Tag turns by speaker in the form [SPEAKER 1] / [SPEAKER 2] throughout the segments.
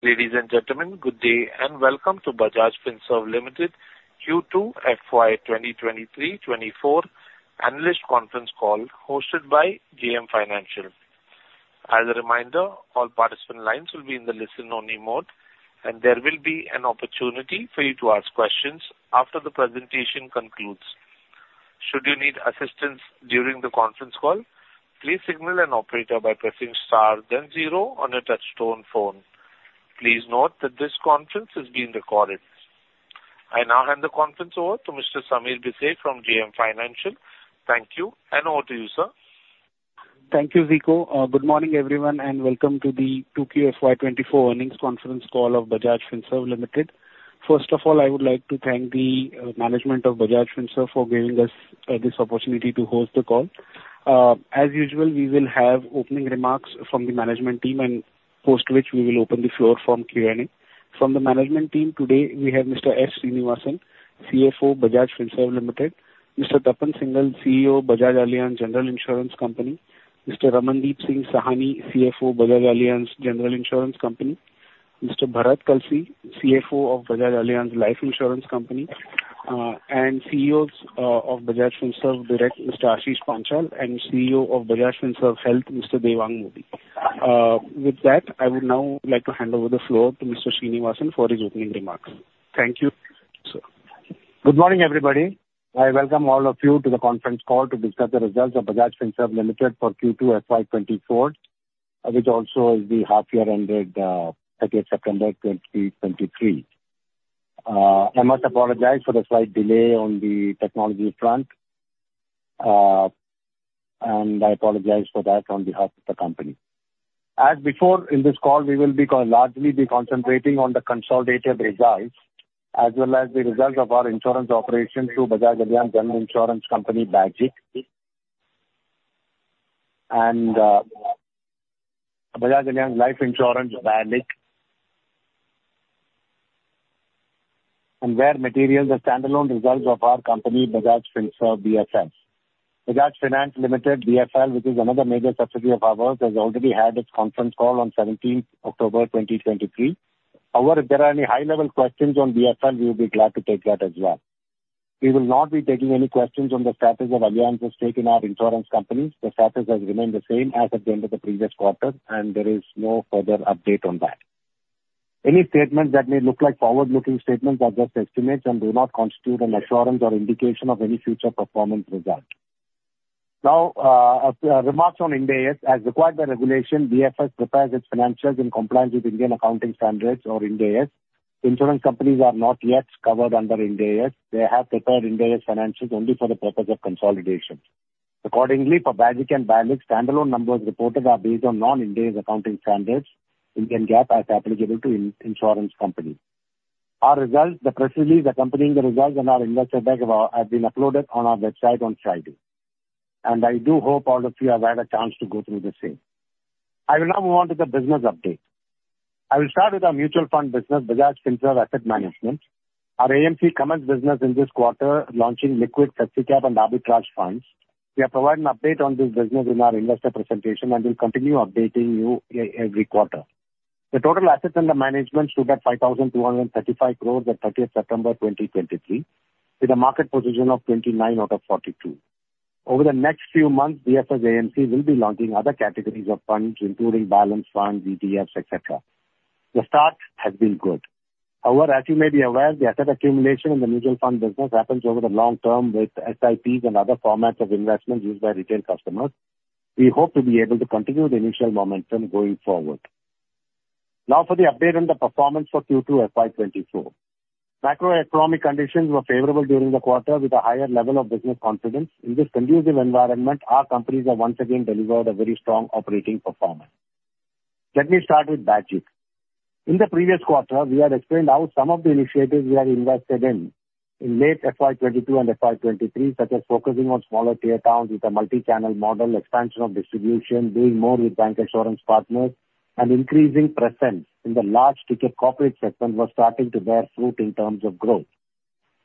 [SPEAKER 1] Ladies and gentlemen, good day, and welcome to Bajaj Finserv Limited Q2 FY 2023-2024 analyst conference call hosted by JM Financial. As a reminder, all participant lines will be in the listen-only mode, and there will be an opportunity for you to ask questions after the presentation concludes. Should you need assistance during the conference call, please signal an operator by pressing star then zero on your touchtone phone. Please note that this conference is being recorded. I now hand the conference over to Mr. Sameer Desai from JM Financial. Thank you, and over to you, sir.
[SPEAKER 2] Thank you, Ziko. Good morning, everyone, and welcome to the 2Q FY 2024 earnings conference call of Bajaj Finserv Limited. First of all, I would like to thank the management of Bajaj Finserv for giving us this opportunity to host the call. As usual, we will have opening remarks from the management team, post which we will open the floor for Q&A. From the management team today, we have Mr. S. Sreenivasan, CFO, Bajaj Finserv Limited; Mr. Tapan Singhel, CEO, Bajaj Allianz General Insurance Company; Mr. Ramandeep Singh Sahni, CFO, Bajaj Allianz General Insurance Company; Mr. Bharat Kalsi, CFO of Bajaj Allianz Life Insurance Company, and CEOs of Bajaj Finserv Direct, Mr. Ashish Panchal, and CEO of Bajaj Finserv Health, Mr. Devang Mody. With that, I would now like to hand over the floor to Mr. Sreenivasan for his opening remarks. Thank you, sir.
[SPEAKER 3] Good morning, everybody. I welcome all of you to the conference call to discuss the results of Bajaj Finserv Limited for Q2 FY 2024, which also is the half year ended 30th September 2023. I must apologize for the slight delay on the technology front, and I apologize for that on behalf of the company. As before, in this call, we will largely be concentrating on the consolidated results as well as the results of our insurance operations through Bajaj Allianz General Insurance Company, BAGIC, and Bajaj Allianz Life Insurance, BALIC, and where material, the standalone results of our company, Bajaj Finserv, BFS. Bajaj Finance Limited, BFL, which is another major subsidiary of ours, has already had its conference call on 17th October 2023. However, if there are any high-level questions on BFL, we will be glad to take that as well. We will not be taking any questions on the status of Allianz's stake in our insurance companies. The status has remained the same as at the end of the previous quarter, and there is no further update on that. Any statements that may look like forward-looking statements are just estimates and do not constitute an assurance or indication of any future performance result. Now, remarks on Ind AS. As required by regulation, BFS prepares its financials in compliance with Indian accounting standards or Ind AS. Insurance companies are not yet covered under Ind AS. They have prepared Ind AS financials only for the purpose of consolidation. Accordingly, for BAGIC and BALIC, standalone numbers reported are based on non-Ind AS accounting standards, Indian GAAP, as applicable to insurance companies. Our results, the press release accompanying the results and our investor deck have been uploaded on our website on Friday, and I do hope all of you have had a chance to go through the same. I will now move on to the business update. I will start with our mutual fund business, Bajaj Finserv Asset Management. Our AMC commenced business in this quarter, launching liquid, flexicap, and arbitrage funds. We have provided an update on this business in our investor presentation and will continue updating you every quarter. The total assets under management stood at 5,235 crore at thirtieth September 2023, with a market position of 29 out of 42. Over the next few months, BFS AMC will be launching other categories of funds, including balance funds, ETFs, et cetera. The start has been good. However, as you may be aware, the asset accumulation in the mutual fund business happens over the long term with SIPs and other formats of investments used by retail customers. We hope to be able to continue the initial momentum going forward. Now for the update on the performance for Q2 FY 2024. Macroeconomic conditions were favorable during the quarter, with a higher level of business confidence. In this conducive environment, our companies have once again delivered a very strong operating performance. Let me start with BALIC. In the previous quarter, we had explained how some of the initiatives we had invested in in late FY 2022 and FY 2023, such as focusing on smaller tier towns with a multi-channel model, expansion of distribution, doing more with bank insurance partners, and increasing presence in the large ticket corporate segment, was starting to bear fruit in terms of growth.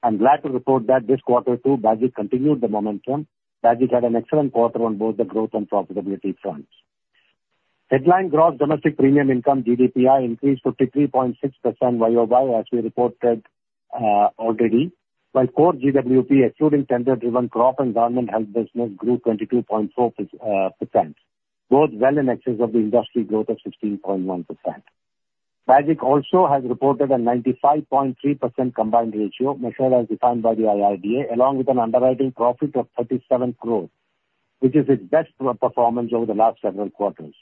[SPEAKER 3] I'm glad to report that this quarter, too, BAGIC continued the momentum. BAGIC had an excellent quarter on both the growth and profitability fronts. Headline gross domestic premium income, GDPI, increased 53.6% YOY, as we reported already, while core GWP, excluding tender-driven crop and government health business, grew 22.4%, both well in excess of the industry growth of 16.1%. BAGIC also has reported a 95.3% combined ratio, measured as defined by the IRDA, along with an underwriting profit of 37 crore, which is its best performance over the last several quarters.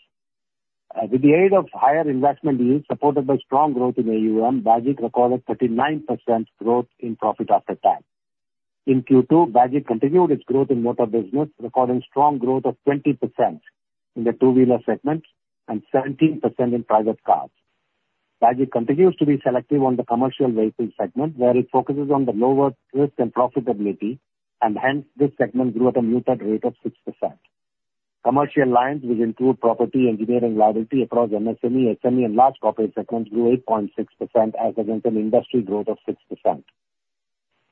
[SPEAKER 3] With the aid of higher investment yields supported by strong growth in AUM, BAGIC recorded 39% growth in profit after tax. In Q2, BAGIC continued its growth in motor business, recording strong growth of 20% in the two-wheeler segment and 17% in private cars. BAGIC continues to be selective on the commercial vehicle segment, where it focuses on the lower risk and profitability, and hence, this segment grew at a muted rate of 6%. Commercial lines, which include property, engineering, liability across MSME, SME and large corporate segments, grew 8.6% as against an industry growth of 6%....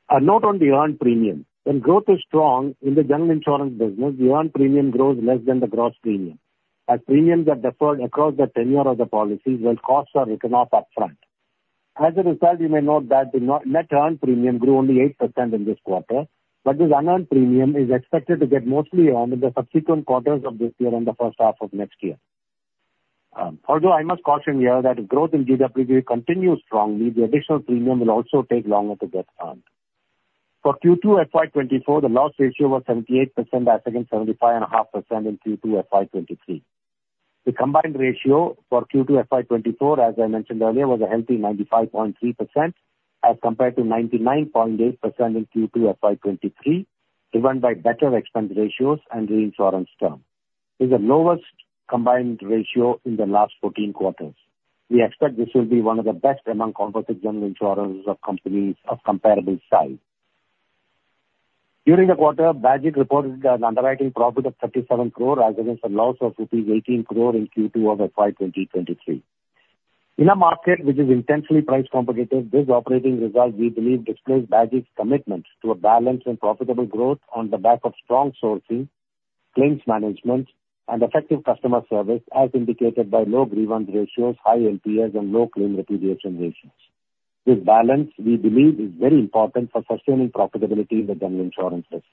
[SPEAKER 3] are not on the earned premium. When growth is strong in the general insurance business, the earned premium grows less than the gross premium, as premiums are deferred across the tenure of the policy, while costs are written off upfront. As a result, you may note that the net earned premium grew only 8% in this quarter, but this unearned premium is expected to get mostly earned in the subsequent quarters of this year and the first half of next year. Although I must caution here that if growth in GWP continues strongly, the additional premium will also take longer to get earned. For Q2 FY 2024, the loss ratio was 78% as against 75.5% in Q2 FY 2023. The combined ratio for Q2 FY 2024, as I mentioned earlier, was a healthy 95.3%, as compared to 99.8% in Q2 FY 2023, driven by better expense ratios and reinsurance terms. It's the lowest combined ratio in the last 14 quarters. We expect this will be one of the best among competitive general insurance of companies of comparable size. During the quarter, Bajaj reported an underwriting profit of 37 crore, as against a loss of rupees 18 crore in Q2 of FY 2023. In a market which is intensely price competitive, this operating result, we believe, displays Bajaj's commitment to a balanced and profitable growth on the back of strong sourcing, claims management, and effective customer service, as indicated by low grievance ratios, high LPRs and low claim repudiation ratios. This balance, we believe, is very important for sustaining profitability in the general insurance business.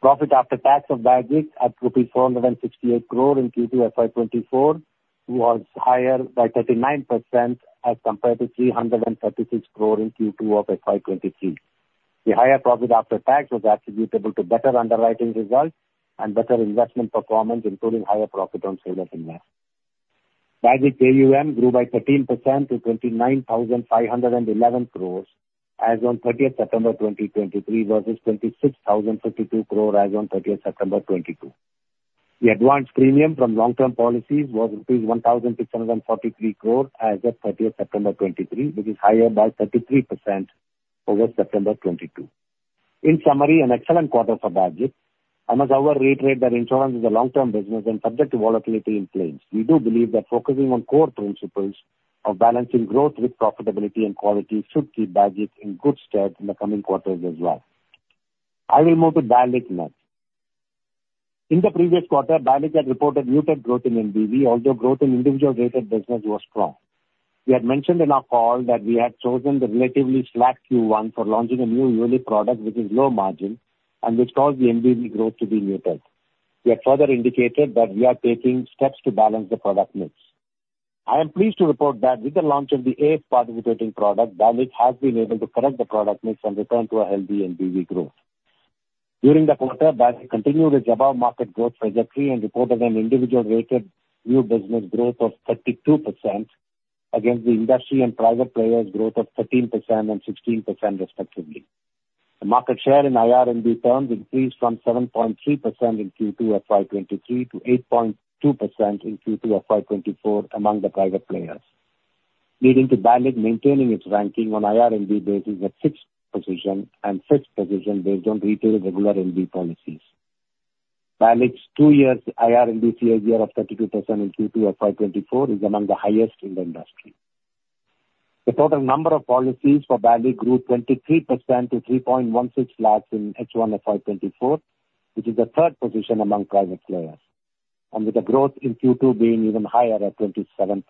[SPEAKER 3] Profit after tax of Bajaj at rupees 468 crore in Q2 FY 2024 was higher by 39% as compared to 336 crore in Q2 of FY 2023. The higher profit after tax was attributable to better underwriting results and better investment performance, including higher profit on sale of investment. BAGIC AUM grew by 13% to 29,511 crore as on 30 September 2023, versus 26,052 crore as on 30 September 2022. The advance premium from long-term policies was rupees 1,643 crore as of 30 September 2023, which is higher by 33% over September 2022. In summary, an excellent quarter for BAGIC. I must, however, reiterate that insurance is a long-term business and subject to volatility in claims. We do believe that focusing on core principles of balancing growth with profitability and quality should keep BAGIC in good stead in the coming quarters as well. I will move to BAGIC next. In the previous quarter, Bajaj had reported muted growth in NBV, although growth in individual rated business was strong. We had mentioned in our call that we had chosen the relatively slack Q1 for launching a new yearly product, which is low margin and which caused the NBV growth to be muted. We have further indicated that we are taking steps to balance the product mix. I am pleased to report that with the launch of the eighth participating product, Bajaj has been able to correct the product mix and return to a healthy NBV growth. During the quarter, Bajaj continued its above-market growth trajectory and reported an individual rated new business growth of 32% against the industry and private players' growth of 13% and 16% respectively. The market share in IRNB terms increased from 7.3% in Q2 of FY 2023 to 8.2% in Q2 of FY 2024 among the private players, leading to BAGIC maintaining its ranking on IRNB basis at sixth position, and fifth position based on retail regular NB policies. BAGIC's two years IRNB CAGR of 32% in Q2 of FY 2024 is among the highest in the industry. The total number of policies for BAGIC grew 23% to 316,000 in H1 of FY 2024, which is the third position among private players, and with the growth in Q2 being even higher at 27%.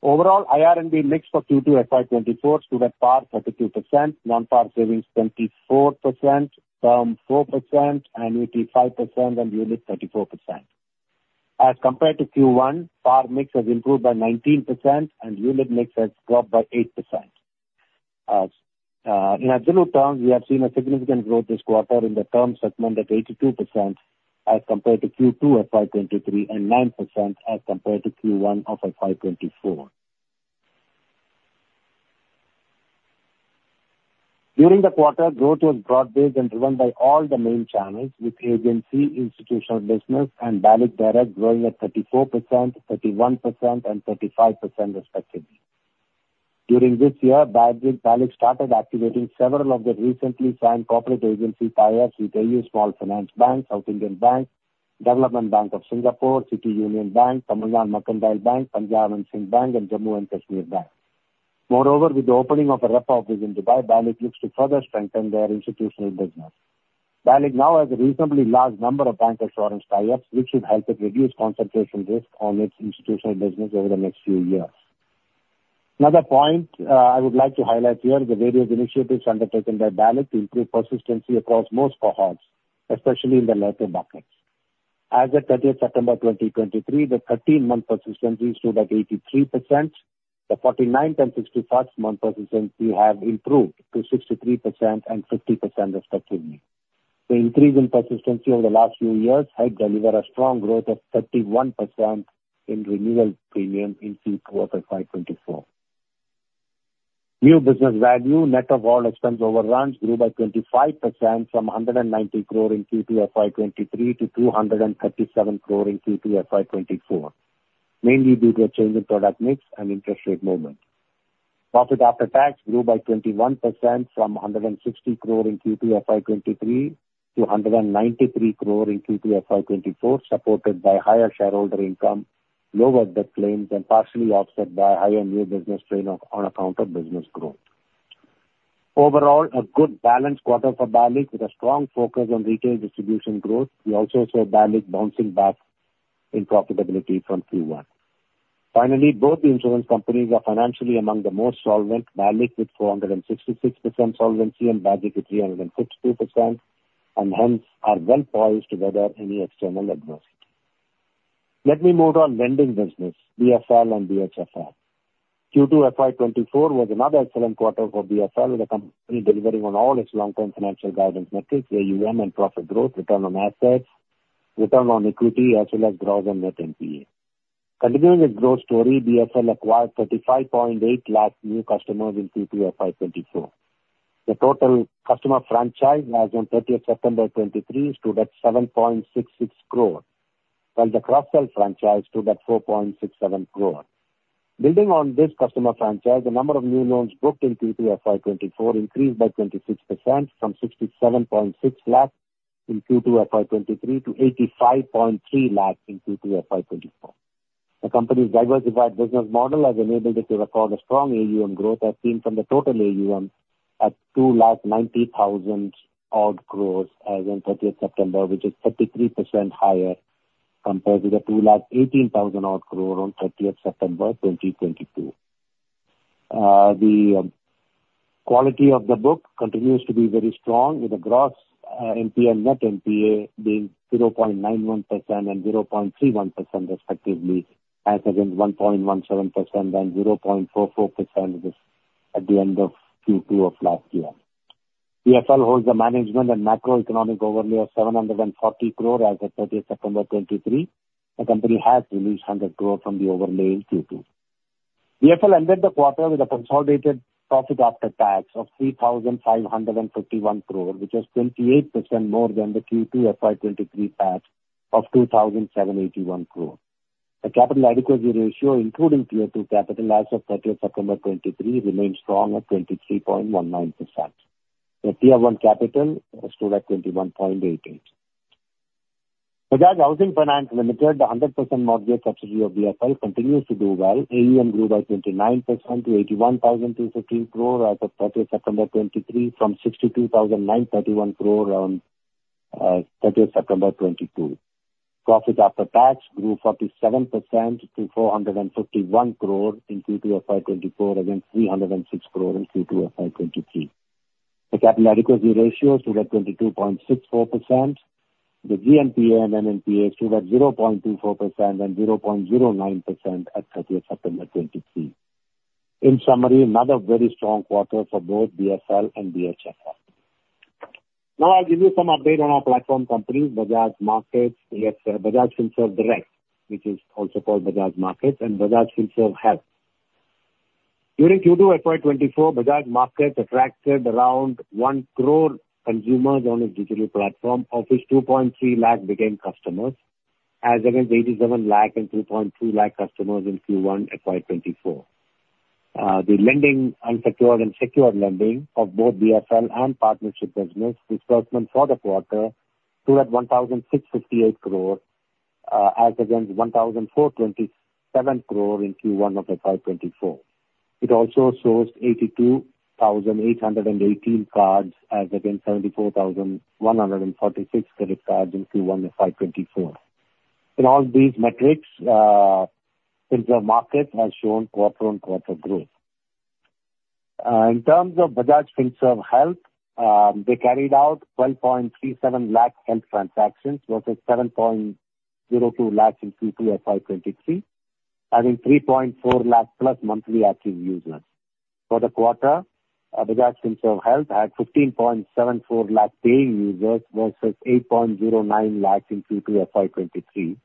[SPEAKER 3] Overall, IRNB mix for Q2 FY 2024 stood at par, 32%, non-par savings, 24%, term, 4%, annuity, 5%, and unit, 34%. As compared to Q1, par mix has improved by 19% and unit mix has dropped by 8%. In absolute terms, we have seen a significant growth this quarter in the term segment at 82% as compared to Q2 of FY 2023, and 9% as compared to Q1 of FY 2024. During the quarter, growth was broad-based and driven by all the main channels, with agency, institutional business, and BAGIC direct growing at 34%, 31%, and 35% respectively. During this year, BAGIC started activating several of their recently signed corporate agency tie-ups with AU Small Finance Bank, South Indian Bank, Development Bank of Singapore, City Union Bank, Tamilnad Mercantile Bank, Punjab and Sind Bank, and Jammu and Kashmir Bank. Moreover, with the opening of a rep office in Dubai, BAGIC looks to further strengthen their institutional business. BAGIC now has a reasonably large number of bank insurance tie-ups, which should help it reduce concentration risk on its institutional business over the next few years. Another point, I would like to highlight here is the various initiatives undertaken by BAGIC to improve persistency across most cohorts, especially in the lighter markets. As at 30 September 2023, the 13-month persistency stood at 83%. The 49 and 61-month persistency have improved to 63% and 50% respectively. The increase in persistency over the last few years helped deliver a strong growth of 31% in renewal premium in Q2 of FY 2024. New business value, net of all expense overruns, grew by 25% from 190 crore in Q2 FY 2023 to 237 crore in Q2 FY 2024, mainly due to a change in product mix and interest rate movement. Profit after tax grew by 21% from 160 crore in Q2 FY 2023 to 193 crore in Q2 FY 2024, supported by higher shareholder income, lower death claims and partially offset by higher new business claim on account of business growth. Overall, a good balanced quarter for BALIC, with a strong focus on retail distribution growth. We also saw BALIC bouncing back in profitability from Q1. Finally, both insurance companies are financially among the most solvent, BALIC with 466% solvency and BAGIC with 362%, and hence are well poised to weather any external adversity. Let me move on lending business, BFL and BHFL. Q2 FY 2024 was another excellent quarter for BFL, with the company delivering on all its long-term financial guidance metrics, AUM and profit growth, return on assets, return on equity, as well as gross and net NPA. Continuing its growth story, BFL acquired 35.8 lakh, new customers in Q2 FY 2024. The total customer franchise as on 30th September 2023, stood at 7.66 crore, while the cross-sell franchise stood at 4.67 crore. Building on this customer franchise, the number of new loans booked in Q2 FY 2024 increased by 26% from 67.6 lakh in Q2 FY 2023 to 85.3 lakh in Q2 FY 2024. The company's diversified business model has enabled it to record a strong AUM growth, as seen from the total AUM at 2,90,000 crore as on 30th September, which is 33% higher compared to the 2,18,000 crore on 30th September 2022. The quality of the book continues to be very strong, with a gross NPA, net NPA being 0.91% and 0.31% respectively, as against 1.17% and 0.44% at the end of Q2 of last year. BFL holds the management and macroeconomic overlay of 740 crore as of 30th September 2023. The company has released 100 crore from the overlay in Q2. BFL ended the quarter with a consolidated profit after tax of 3,551 crore, which is 28% more than the Q2 FY 2023 tax of 2,781 crore. The capital adequacy ratio, including tier two capital, as of 30th September 2023, remains strong at 23.19%. The tier one capital stood at 21.88%. Bajaj Housing Finance Limited, the 100% mortgage subsidiary of BFL, continues to do well. AUM grew by 29% to 81,215 crore as of 30th September 2023, from 62,931 crore on 30th September 2022. Profit after tax grew 47% to 451 crore in Q2 of FY 2024, against 306 crore in Q2 of FY 2023. The capital adequacy ratio stood at 22.64%. The GNPA and NNPA stood at 0.24% and 0.09% at 30th September 2023. In summary, another very strong quarter for both BFL and BHFL. Now, I'll give you some update on our platform companies, Bajaj Markets, Bajaj Finserv Direct, which is also called Bajaj Markets, and Bajaj Finserv Health. During Q2 FY 2024, Bajaj Markets attracted around 1 crore consumers on its digital platform, of which 2.3 lakh became customers, as against 87 lakh and 2.2 lakh customers in Q1 FY 2024. The lending, unsecured and secured lending of both BFL and partnership business disbursement for the quarter stood at 1,658 crore, as against 1,427 crore in Q1 of FY 2024. It also sourced 82,818 cards, as against 74,146 credit cards in Q1 of FY 2024. In all these metrics, Finserv Markets has shown quarter-on-quarter growth. In terms of Bajaj Finserv Health, they carried out 12.37 lakh health transactions versus 7.02 lakhs in Q2 of FY 2023, having 3.4 lakh+ monthly active users. For the quarter, Bajaj Finserv Health had 15.74 lakh paying users versus 8.09 lakh in Q2 of FY 2023,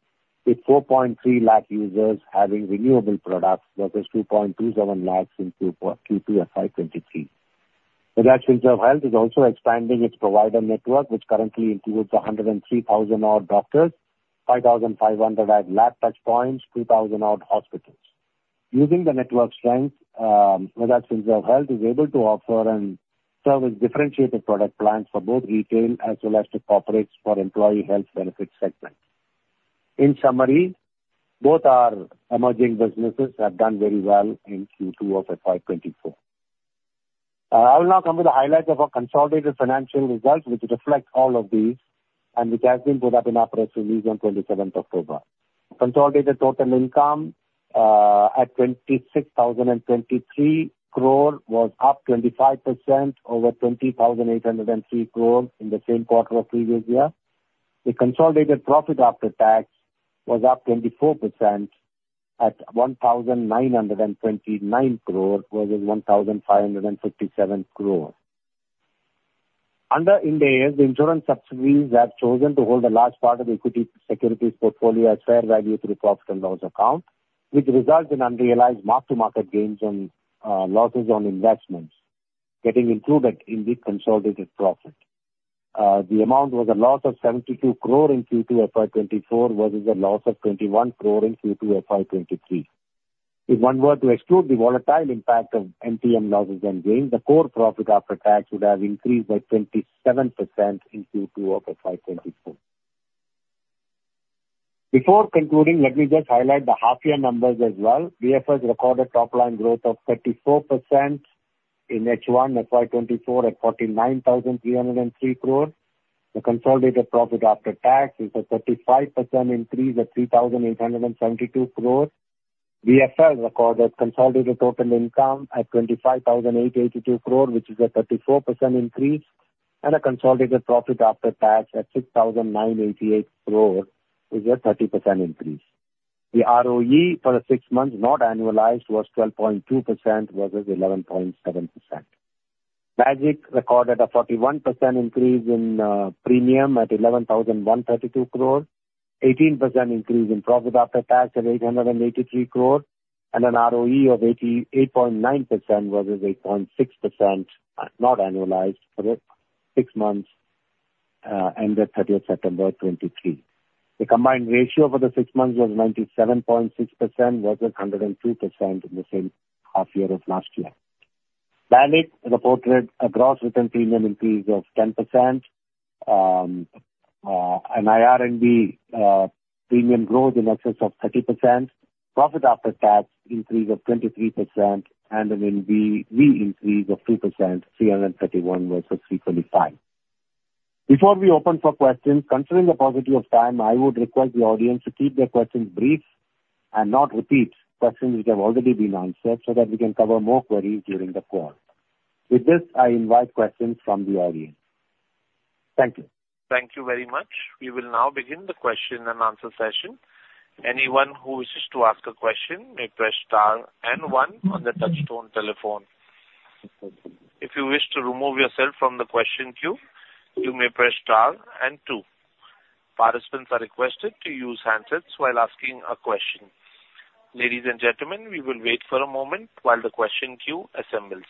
[SPEAKER 3] with 4.3 lakh users having renewable products versus 2.27 lakhs in Q2 of FY 2023. Bajaj Finserv Health is also expanding its provider network, which currently includes 103,000 odd doctors, 5,500 odd lab touchpoints, 2,000 odd hospitals. Using the network strength, Bajaj Finserv Health is able to offer and serve as differentiated product plans for both retail as well as the corporates for employee health benefit segment. In summary, both our emerging businesses have done very well in Q2 of FY 2024. I will now come to the highlights of our consolidated financial results, which reflect all of these, and which has been put up in our press release on 27th October. Consolidated total income at 26,023 crore was up 25% over 20,803 crore in the same quarter of previous year. The consolidated profit after tax was up 24% at 1,929 crore, versus 1,557 crore. Under Ind AS, the insurance subsidiaries have chosen to hold a large part of the equity securities portfolio at fair value through profit and loss account, which results in unrealized mark-to-market gains and losses on investments getting included in the consolidated profit. The amount was a loss of 72 crore in Q2 FY 2024, versus a loss of 21 crore in Q2 FY 2023. If one were to exclude the volatile impact of NPM losses and gains, the core profit after tax would have increased by 27% in Q2 of FY 2024. Before concluding, let me just highlight the half year numbers as well. BFL recorded top line growth of 34% in H1 FY 2024 at 49,303 crore. The consolidated profit after tax is a 35% increase at 3,872 crore. BFL recorded consolidated total income at 25,882 crore, which is a 34% increase, and a consolidated profit after tax at 6,988 crore, is a 30% increase. The ROE for the six months, not annualized, was 12.2%, versus 11.7%. BAGIC recorded a 41% increase in premium at 11,132 crore, 18% increase in profit after tax at 883 crore, and an ROE of 88.9% versus 8.6%, not annualized, for the six months ended 30th September 2023. The combined ratio for the six months was 97.6%, versus 102% in the same half year of last year. BALIC reported a gross written premium increase of 10%, an IRNB premium growth in excess of 30%, profit after tax increase of 23%, and an NBV increase of 2%, 331 versus 325. Before we open for questions, considering the positivity of time, I would request the audience to keep their questions brief and not repeat questions which have already been answered, so that we can cover more queries during the call. With this, I invite questions from the audience. Thank you.
[SPEAKER 1] Thank you very much. We will now begin the question and answer session. Anyone who wishes to ask a question may press star and one on the touchtone telephone. If you wish to remove yourself from the question queue, you may press star and two. Participants are requested to use handsets while asking a question. Ladies and gentlemen, we will wait for a moment while the question queue assembles.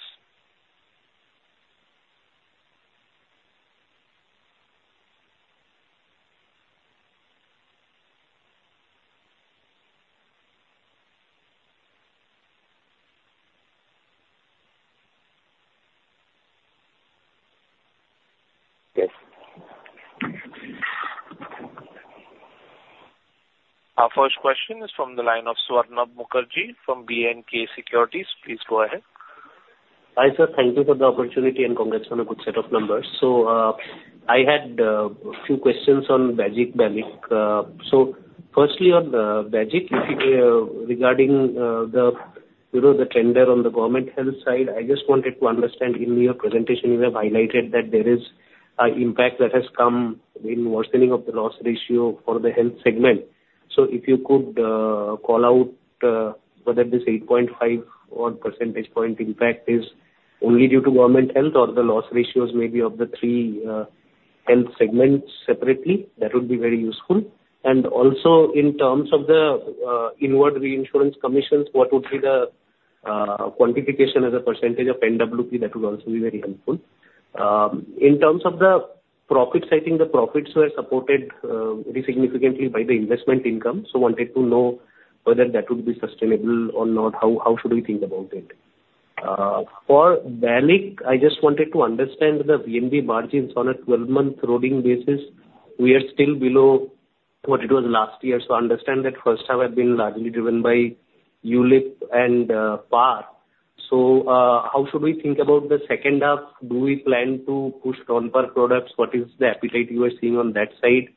[SPEAKER 1] Yes. Our first question is from the line of Swarnab Mukherjee from B&K Securities. Please go ahead.
[SPEAKER 4] Hi, sir. Thank you for the opportunity, and congrats on a good set of numbers. I had a few questions on BAGIC, BALIC. Firstly, on BAGIC, regarding the trend there on the government health side, I just wanted to understand, in your presentation you have highlighted that there is an impact that has come in worsening of the loss ratio for the health segment. If you could call out whether this 8.5 percentage point impact is only due to government health or the loss ratios maybe of the three health segments separately, that would be very useful. Also, in terms of the inward reinsurance commissions, what would be the quantification as a percentage of NWP? That would also be very helpful. In terms of the profits, I think the profits were supported very significantly by the investment income. So wanted to know whether that would be sustainable or not. How should we think about it? For BALIC, I just wanted to understand the VNB margins on a 12-month rolling basis. We are still below what it was last year. So I understand that first half have been largely driven by ULIP and PAR. So, how should we think about the second half? Do we plan to push on PAR products? What is the appetite you are seeing on that side?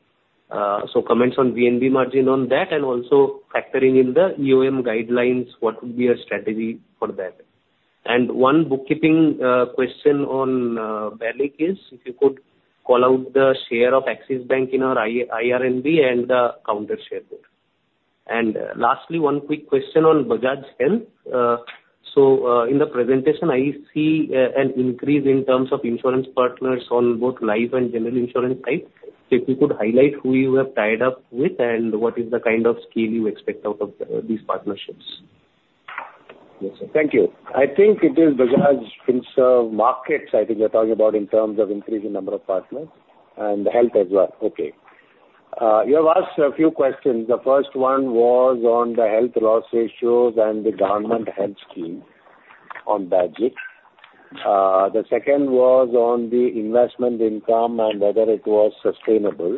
[SPEAKER 4] So comments on VNB margin on that, and also factoring in the EOM guidelines, what would be your strategy for that? One bookkeeping question on BALIC is, if you could call out the share of Axis Bank in our IRNB and the counter share there. And lastly, one quick question on Bajaj Health. So, in the presentation, I see an increase in terms of insurance partners on both life and general insurance side. So if you could highlight who you have tied up with and what is the kind of scale you expect out of these partnerships?
[SPEAKER 3] Yes, sir. Thank you. I think it is Bajaj Finserv Markets, I think you're talking about in terms of increasing number of partners and health as well. Okay. You have asked a few questions. The first one was on the health loss ratios and the government health scheme on BAGIC. The second was on the investment income and whether it was sustainable.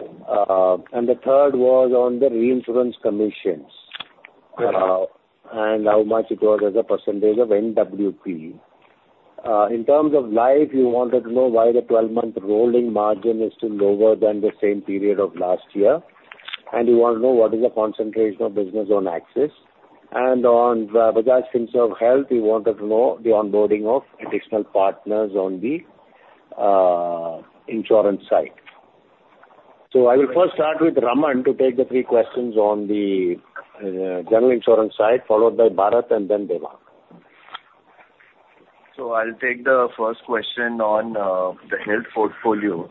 [SPEAKER 3] And the third was on the reinsurance commissions-
[SPEAKER 4] Correct.
[SPEAKER 3] and how much it was as a percentage of NWP. In terms of Life, you wanted to know why the 12-month rolling margin is still lower than the same period of last year, and you want to know what is the concentration of business on Axis. And on Bajaj Finserv Health, you wanted to know the onboarding of additional partners on the insurance side. So I will first start with Raman to take the three questions on the general insurance side, followed by Bharat and then Devak.
[SPEAKER 5] So I'll take the first question on the health portfolio.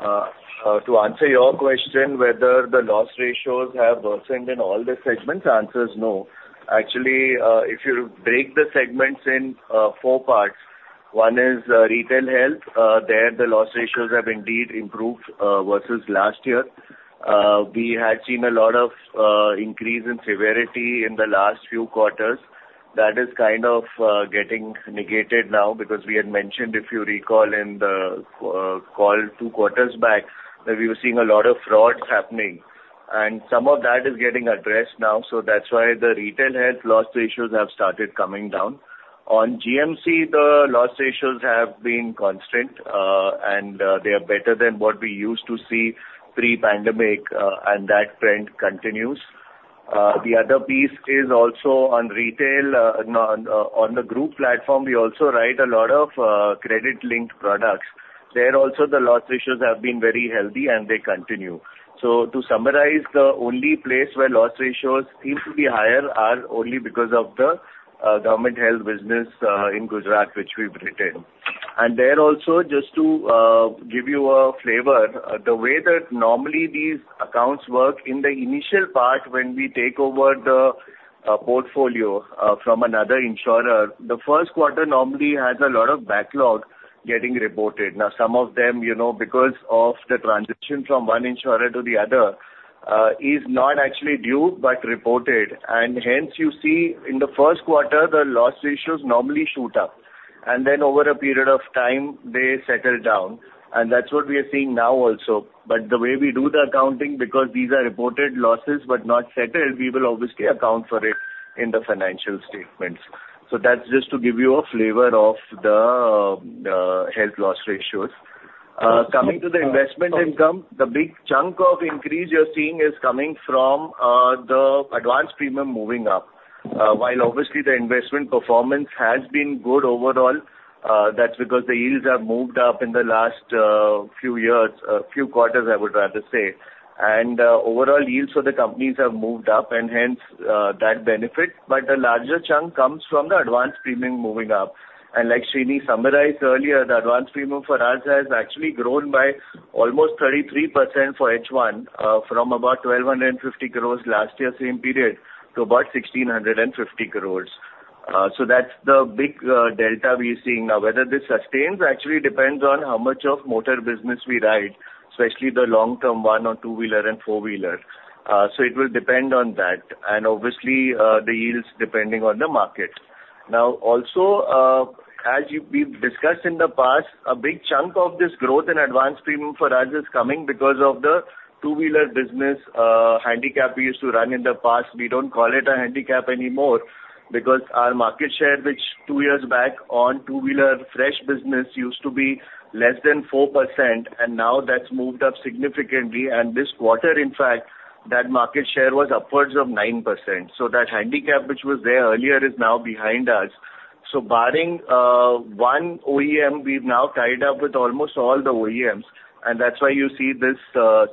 [SPEAKER 5] To answer your question, whether the loss ratios have worsened in all the segments, the answer is no. Actually, if you break the segments in four parts-... One is retail health. There, the loss ratios have indeed improved versus last year. We had seen a lot of increase in severity in the last few quarters. That is kind of getting negated now because we had mentioned, if you recall, in the call two quarters back, that we were seeing a lot of frauds happening, and some of that is getting addressed now. So that's why the retail health loss ratios have started coming down. On GMC, the loss ratios have been constant, and they are better than what we used to see pre-pandemic, and that trend continues. The other piece is also on retail, on the group platform, we also write a lot of credit-linked products. There also, the loss ratios have been very healthy and they continue. So to summarize, the only place where loss ratios seem to be higher are only because of the government health business in Gujarat, which we've retained. And there also, just to give you a flavor, the way that normally these accounts work, in the initial part, when we take over the portfolio from another insurer, the first quarter normally has a lot of backlog getting reported. Now, some of them, you know, because of the transition from one insurer to the other, is not actually due but reported. And hence, you see in the first quarter, the loss ratios normally shoot up, and then over a period of time, they settle down. And that's what we are seeing now also. But the way we do the accounting, because these are reported losses but not settled, we will obviously account for it in the financial statements. So that's just to give you a flavor of the health loss ratios. Coming to the investment income, the big chunk of increase you're seeing is coming from the advanced premium moving up. While obviously the investment performance has been good overall, that's because the yields have moved up in the last few years, few quarters, I would rather say. Overall yields for the companies have moved up, and hence, that benefit. But the larger chunk comes from the advanced premium moving up. And like Srini summarized earlier, the advanced premium for us has actually grown by almost 33% for H1, from about 1,250 crore last year same period, to about 1,650 crore. So that's the big delta we are seeing now. Whether this sustains actually depends on how much of motor business we write, especially the long-term one or two-wheeler and four-wheeler. So it will depend on that, and obviously, the yields depending on the market. Now, also, as you-- we've discussed in the past, a big chunk of this growth in advanced premium for us is coming because of the two-wheeler business handicap we used to run in the past. We don't call it a handicap anymore because our market share, which two years back on two-wheeler fresh business, used to be less than 4%, and now that's moved up significantly. And this quarter, in fact, that market share was upwards of 9%. So that handicap, which was there earlier, is now behind us. So barring, one OEM, we've now tied up with almost all the OEMs, and that's why you see this,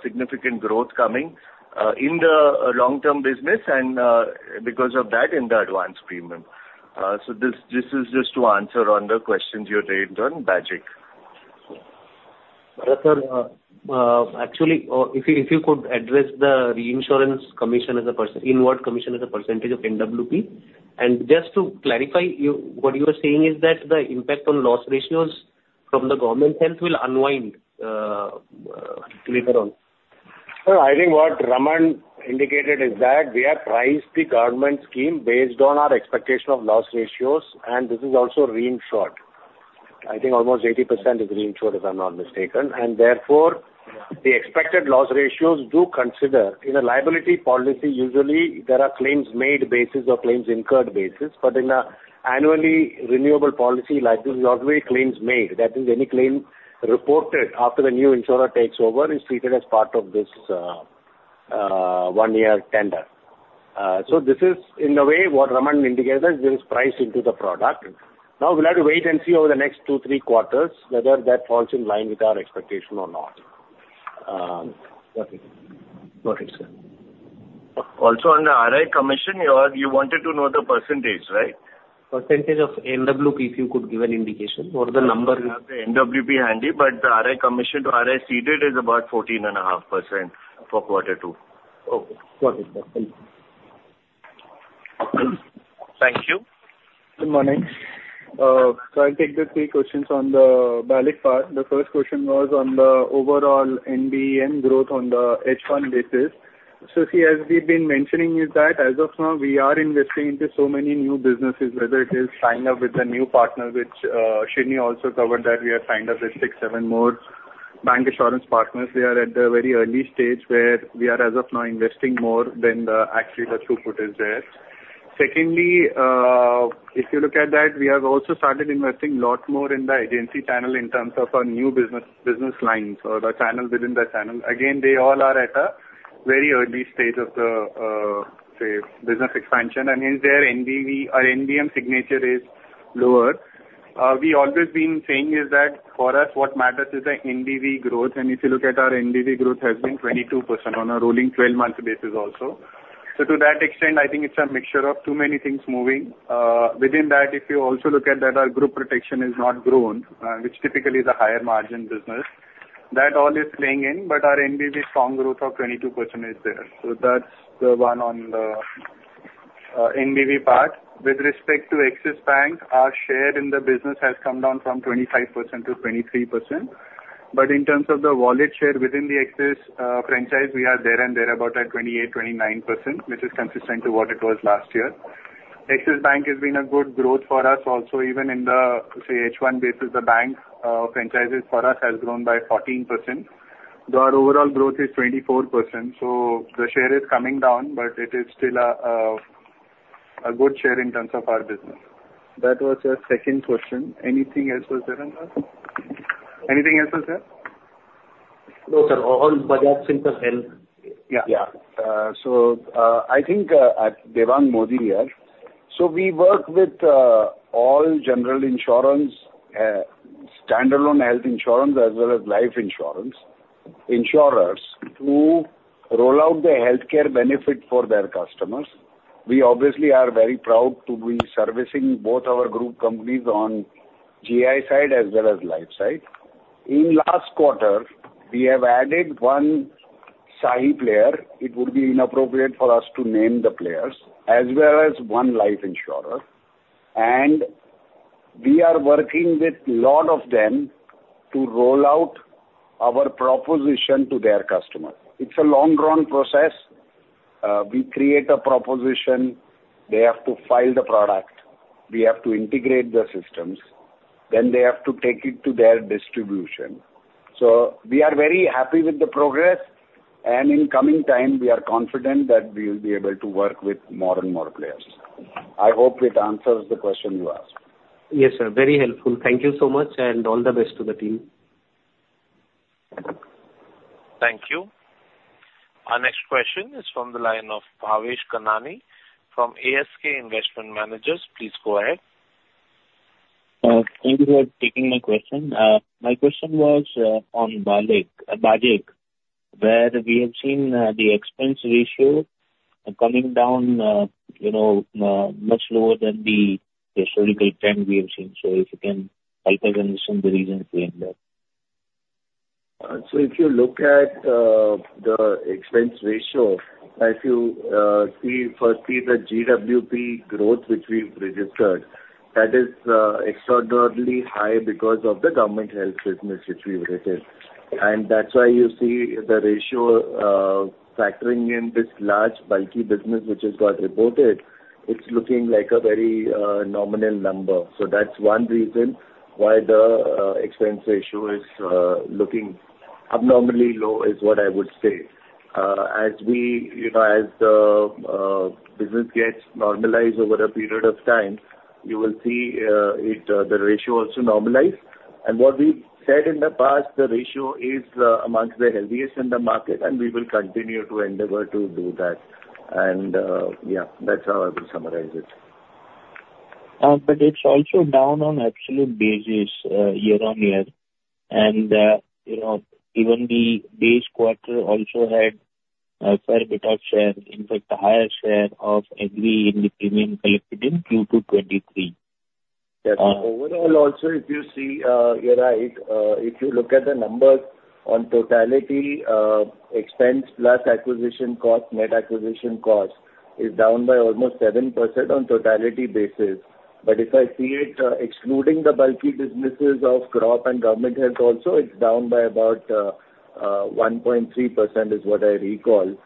[SPEAKER 5] significant growth coming, in the long-term business and, because of that, in the advanced premium. So this, this is just to answer on the questions you raised on BAGIC.
[SPEAKER 4] Sir, actually, if you, if you could address the reinsurance commission as a percentage inward commission as a percentage of NWP. And just to clarify, you, what you are saying is that the impact on loss ratios from the government health will unwind, later on.
[SPEAKER 3] Sir, I think what Raman indicated is that we have priced the government scheme based on our expectation of loss ratios, and this is also reinsured. I think almost 80% is reinsured, if I'm not mistaken. And therefore, the expected loss ratios do consider... In a liability policy, usually there are claims made basis or claims incurred basis, but in a annually renewable policy like this, is already claims made. That is, any claim reported after the new insurer takes over, is treated as part of this, one-year tender. So this is, in a way, what Raman indicated, this is priced into the product. Now we'll have to wait and see over the next two, three quarters whether that falls in line with our expectation or not.
[SPEAKER 4] Got it. Got it, sir.
[SPEAKER 3] Also, on the RI commission, you all, you wanted to know the percentage, right? Percentage of NWP, if you could give an indication or the number. I don't have the NWP handy, but the RI commission to RI ceded is about 14.5% for quarter two.
[SPEAKER 4] Okay. Got it, sir. Thank you.
[SPEAKER 6] Thank you. Good morning. So I'll take the three questions on the BALIC part. The first question was on the overall NBM growth on the H1 basis. So see, as we've been mentioning, is that as of now, we are investing into so many new businesses, whether it is tying up with a new partner, which, Srini also covered, that we have signed up with six, seven more bank insurance partners. We are at the very early stage where we are, as of now, investing more than the, actually, the throughput is there. Secondly, if you look at that, we have also started investing a lot more in the agency channel in terms of our new business, business lines or the channel within the channel. Again, they all are at a very early stage of the, say, business expansion, and hence, their NBV or NBM signature is lower. We always been saying is that for us, what matters is the NBV growth, and if you look at our NBV growth has been 22% on a rolling 12-month basis also. So to that extent, I think it's a mixture of too many things moving. Within that, if you also look at that, our group protection is not grown, which typically is a higher margin business. That all is playing in, but our NBV strong growth of 22% is there. So that's the one on the- NBV part. With respect to Axis Bank, our share in the business has come down from 25%-23%. In terms of the wallet share within the Axis franchise, we are there and thereabout at 28-29%, which is consistent to what it was last year. Axis Bank has been a good growth for us also, even in the, say, H1 basis, the bank franchises for us has grown by 14%, though our overall growth is 24%. The share is coming down, but it is still a good share in terms of our business. That was your second question. Anything else was there in that? Anything else was there?
[SPEAKER 4] No, sir, on Bajaj Finserv Health.
[SPEAKER 7] Yeah. Yeah. So, I think, Devang Mody here. So we work with all general insurance, standalone health insurance, as well as life insurance insurers, who roll out the healthcare benefit for their customers. We obviously are very proud to be servicing both our group companies on GI side as well as life side. In last quarter, we have added one major player. It would be inappropriate for us to name the players, as well as one life insurer, and we are working with lot of them to roll out our proposition to their customer. It's a long-run process. We create a proposition, they have to file the product, we have to integrate their systems, then they have to take it to their distribution. We are very happy with the progress, and in coming time, we are confident that we will be able to work with more and more players. I hope it answers the question you asked.
[SPEAKER 4] Yes, sir. Very helpful. Thank you so much, and all the best to the team.
[SPEAKER 1] Thank you. Our next question is from the line of Bhavesh Kanani from ASK Investment Managers. Please go ahead.
[SPEAKER 8] Thank you for taking my question. My question was on Bajaj, where we have seen the expense ratio coming down, you know, much lower than the historical trend we have seen. So if you can help us understand the reasons behind that.
[SPEAKER 5] So if you look at the expense ratio, if you see, first see the GWP growth which we've registered, that is extraordinarily high because of the government health business which we've registered. And that's why you see the ratio factoring in this large, bulky business which has got reported, it's looking like a very nominal number. So that's one reason why the expense ratio is looking abnormally low, is what I would say. As we, you know, as the business gets normalized over a period of time, you will see it the ratio also normalize. And what we said in the past, the ratio is amongst the healthiest in the market, and we will continue to endeavor to do that. And yeah, that's how I would summarize it.
[SPEAKER 8] But it's also down on absolute basis, year-on-year. And, you know, even the base quarter also had a fair bit of share, in fact, a higher share of every in the premium collected in Q2 2023.
[SPEAKER 5] Yes. Overall also, if you see, you're right. If you look at the numbers on totality, expense plus acquisition cost, net acquisition cost is down by almost 7% on totality basis. But if I see it, excluding the bulky businesses of crop and government health also, it's down by about 1.3% is what I recall.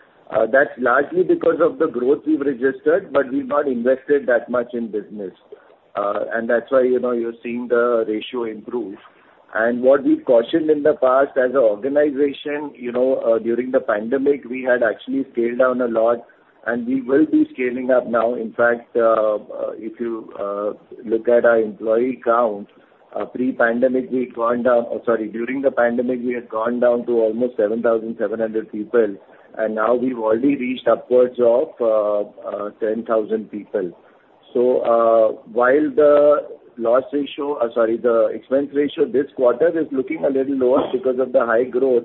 [SPEAKER 5] That's largely because of the growth we've registered, but we've not invested that much in business. And that's why, you know, you're seeing the ratio improve. And what we cautioned in the past as an organization, you know, during the pandemic, we had actually scaled down a lot, and we will be scaling up now. In fact, if you look at our employee count, pre-pandemic, we had gone down—sorry, during the pandemic, we had gone down to almost 7,700 people, and now we've already reached upwards of 10,000 people. So, while the loss ratio, sorry, the expense ratio this quarter is looking a little lower because of the high growth,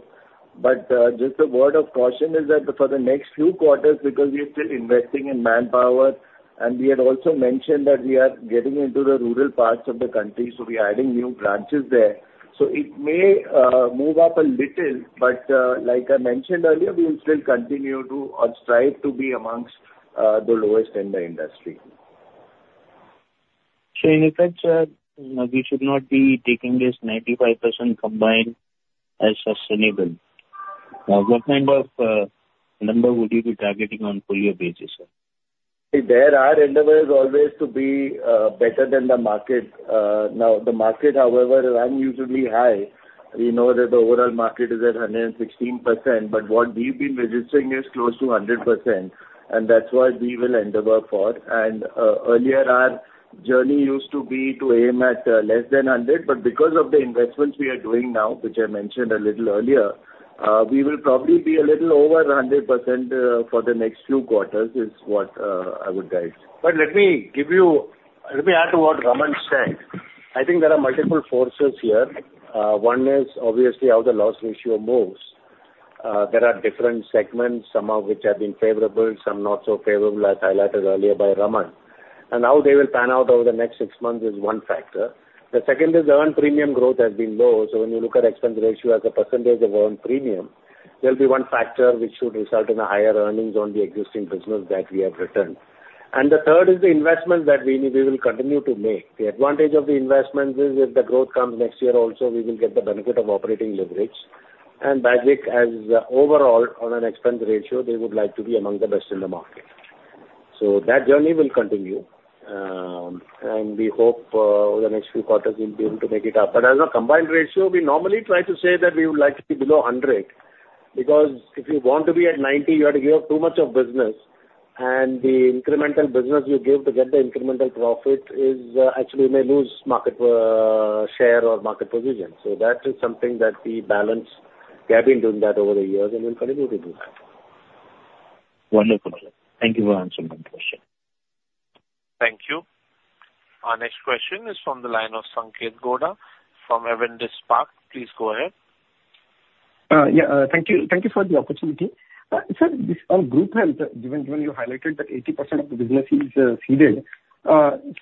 [SPEAKER 5] but just a word of caution is that for the next few quarters, because we are still investing in manpower, and we had also mentioned that we are getting into the rural parts of the country, so we are adding new branches there. So it may move up a little, but like I mentioned earlier, we will still continue to or strive to be amongst the lowest in the industry.
[SPEAKER 8] So in effect, sir, we should not be taking this 95% combined as sustainable. What kind of number would you be targeting on full year basis, sir?
[SPEAKER 5] There are endeavors always to be better than the market. Now, the market, however, is unusually high. We know that the overall market is at 116%, but what we've been registering is close to 100%, and that's what we will endeavor for. And earlier, our journey used to be to aim at less than 100, but because of the investments we are doing now, which I mentioned a little earlier, we will probably be a little over 100% for the next few quarters, is what I would guide.
[SPEAKER 7] Let me add to what Raman said. I think there are multiple forces here. One is obviously how the loss ratio moves. There are different segments, some of which have been favorable, some not so favorable, as highlighted earlier by Raman. ... and how they will pan out over the next six months is one factor. The second is earned premium growth has been low, so when you look at expense ratio as a percentage of earned premium, there'll be one factor which should result in a higher earnings on the existing business that we have retained. And the third is the investment that we will continue to make. The advantage of the investment is if the growth comes next year also, we will get the benefit of operating leverage, and BAGIC as overall on an expense ratio, they would like to be among the best in the market. So that journey will continue, and we hope over the next few quarters, we'll be able to make it up. But as a combined ratio, we normally try to say that we would like to be below 100, because if you want to be at 90, you have to give up too much of business, and the incremental business you give to get the incremental profit is, actually may lose market, share or market position. So that is something that we balance. We have been doing that over the years, and we'll continue to do that.
[SPEAKER 8] Wonderful. Thank you for answering my question.
[SPEAKER 1] Thank you. Our next question is from the line of Sanketh Goda from Avendus Spark. Please go ahead.
[SPEAKER 9] Yeah, thank you, thank you for the opportunity. Sir, this our group has, given you highlighted that 80% of the business is seeded.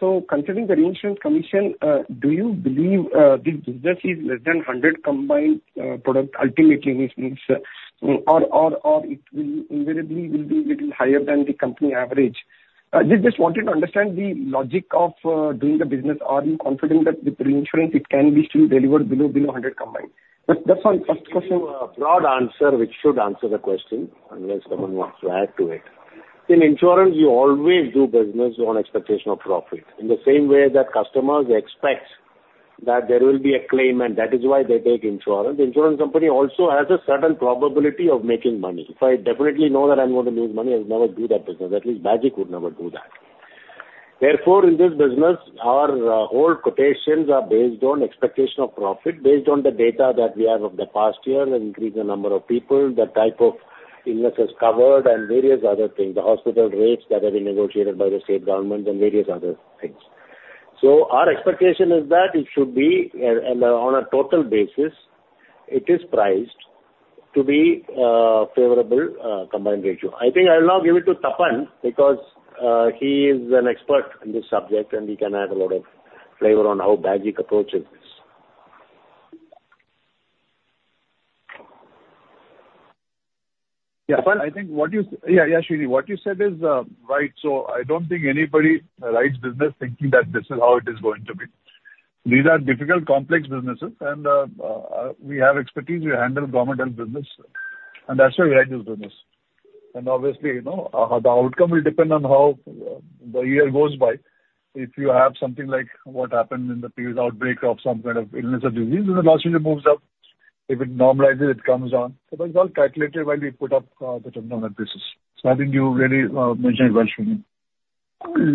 [SPEAKER 9] So considering the reinsurance commission, do you believe this business is less than 100 combined product ultimately means or it will invariably be little higher than the company average? Just wanted to understand the logic of doing the business. Are you confident that with reinsurance it can be still delivered below 100 combined? That's my first question.
[SPEAKER 3] A broad answer, which should answer the question, unless someone wants to add to it. In insurance, you always do business on expectation of profit. In the same way that customers expect that there will be a claim, and that is why they take insurance, the insurance company also has a certain probability of making money. If I definitely know that I'm going to lose money, I'll never do that business. At least Bajaj would never do that. Therefore, in this business, our whole quotations are based on expectation of profit, based on the data that we have of the past year and increase the number of people, the type of illnesses covered, and various other things, the hospital rates that have been negotiated by the state government and various other things. So our expectation is that it should be on a total basis priced to be favorable combined ratio. I think I'll now give it to Tapan because he is an expert in this subject, and he can add a lot of flavor on how Bajaj approaches this.
[SPEAKER 10] Yeah, well, I think what you said is right. Yeah, yeah, Srini, what you said is right. So I don't think anybody writes business thinking that this is how it is going to be. These are difficult, complex businesses, and we have expertise. We handle government health business, and that's why we write this business. And obviously, you know, the outcome will depend on how the year goes by. If you have something like what happened in the previous outbreak of some kind of illness or disease, then the loss ratio moves up. If it normalizes, it comes down. So that's all calculated while we put up the terminal basis. So I think you really mentioned it well, Srini.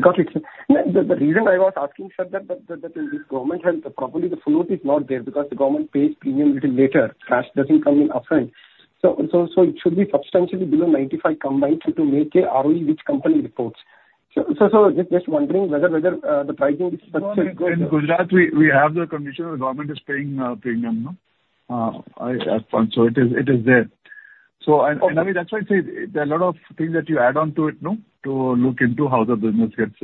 [SPEAKER 9] Got it. The reason I was asking, sir, that in this government health, probably the float is not there because the government pays premium little later. Cash doesn't come in upfront. So it should be substantially below 95 combined to make a ROE, which company reports. So just wondering whether the pricing is-
[SPEAKER 10] In Gujarat, we have the condition the government is paying premium, no? So it is there. So, and that's why I say there are a lot of things that you add on to it, no, to look into how the business gets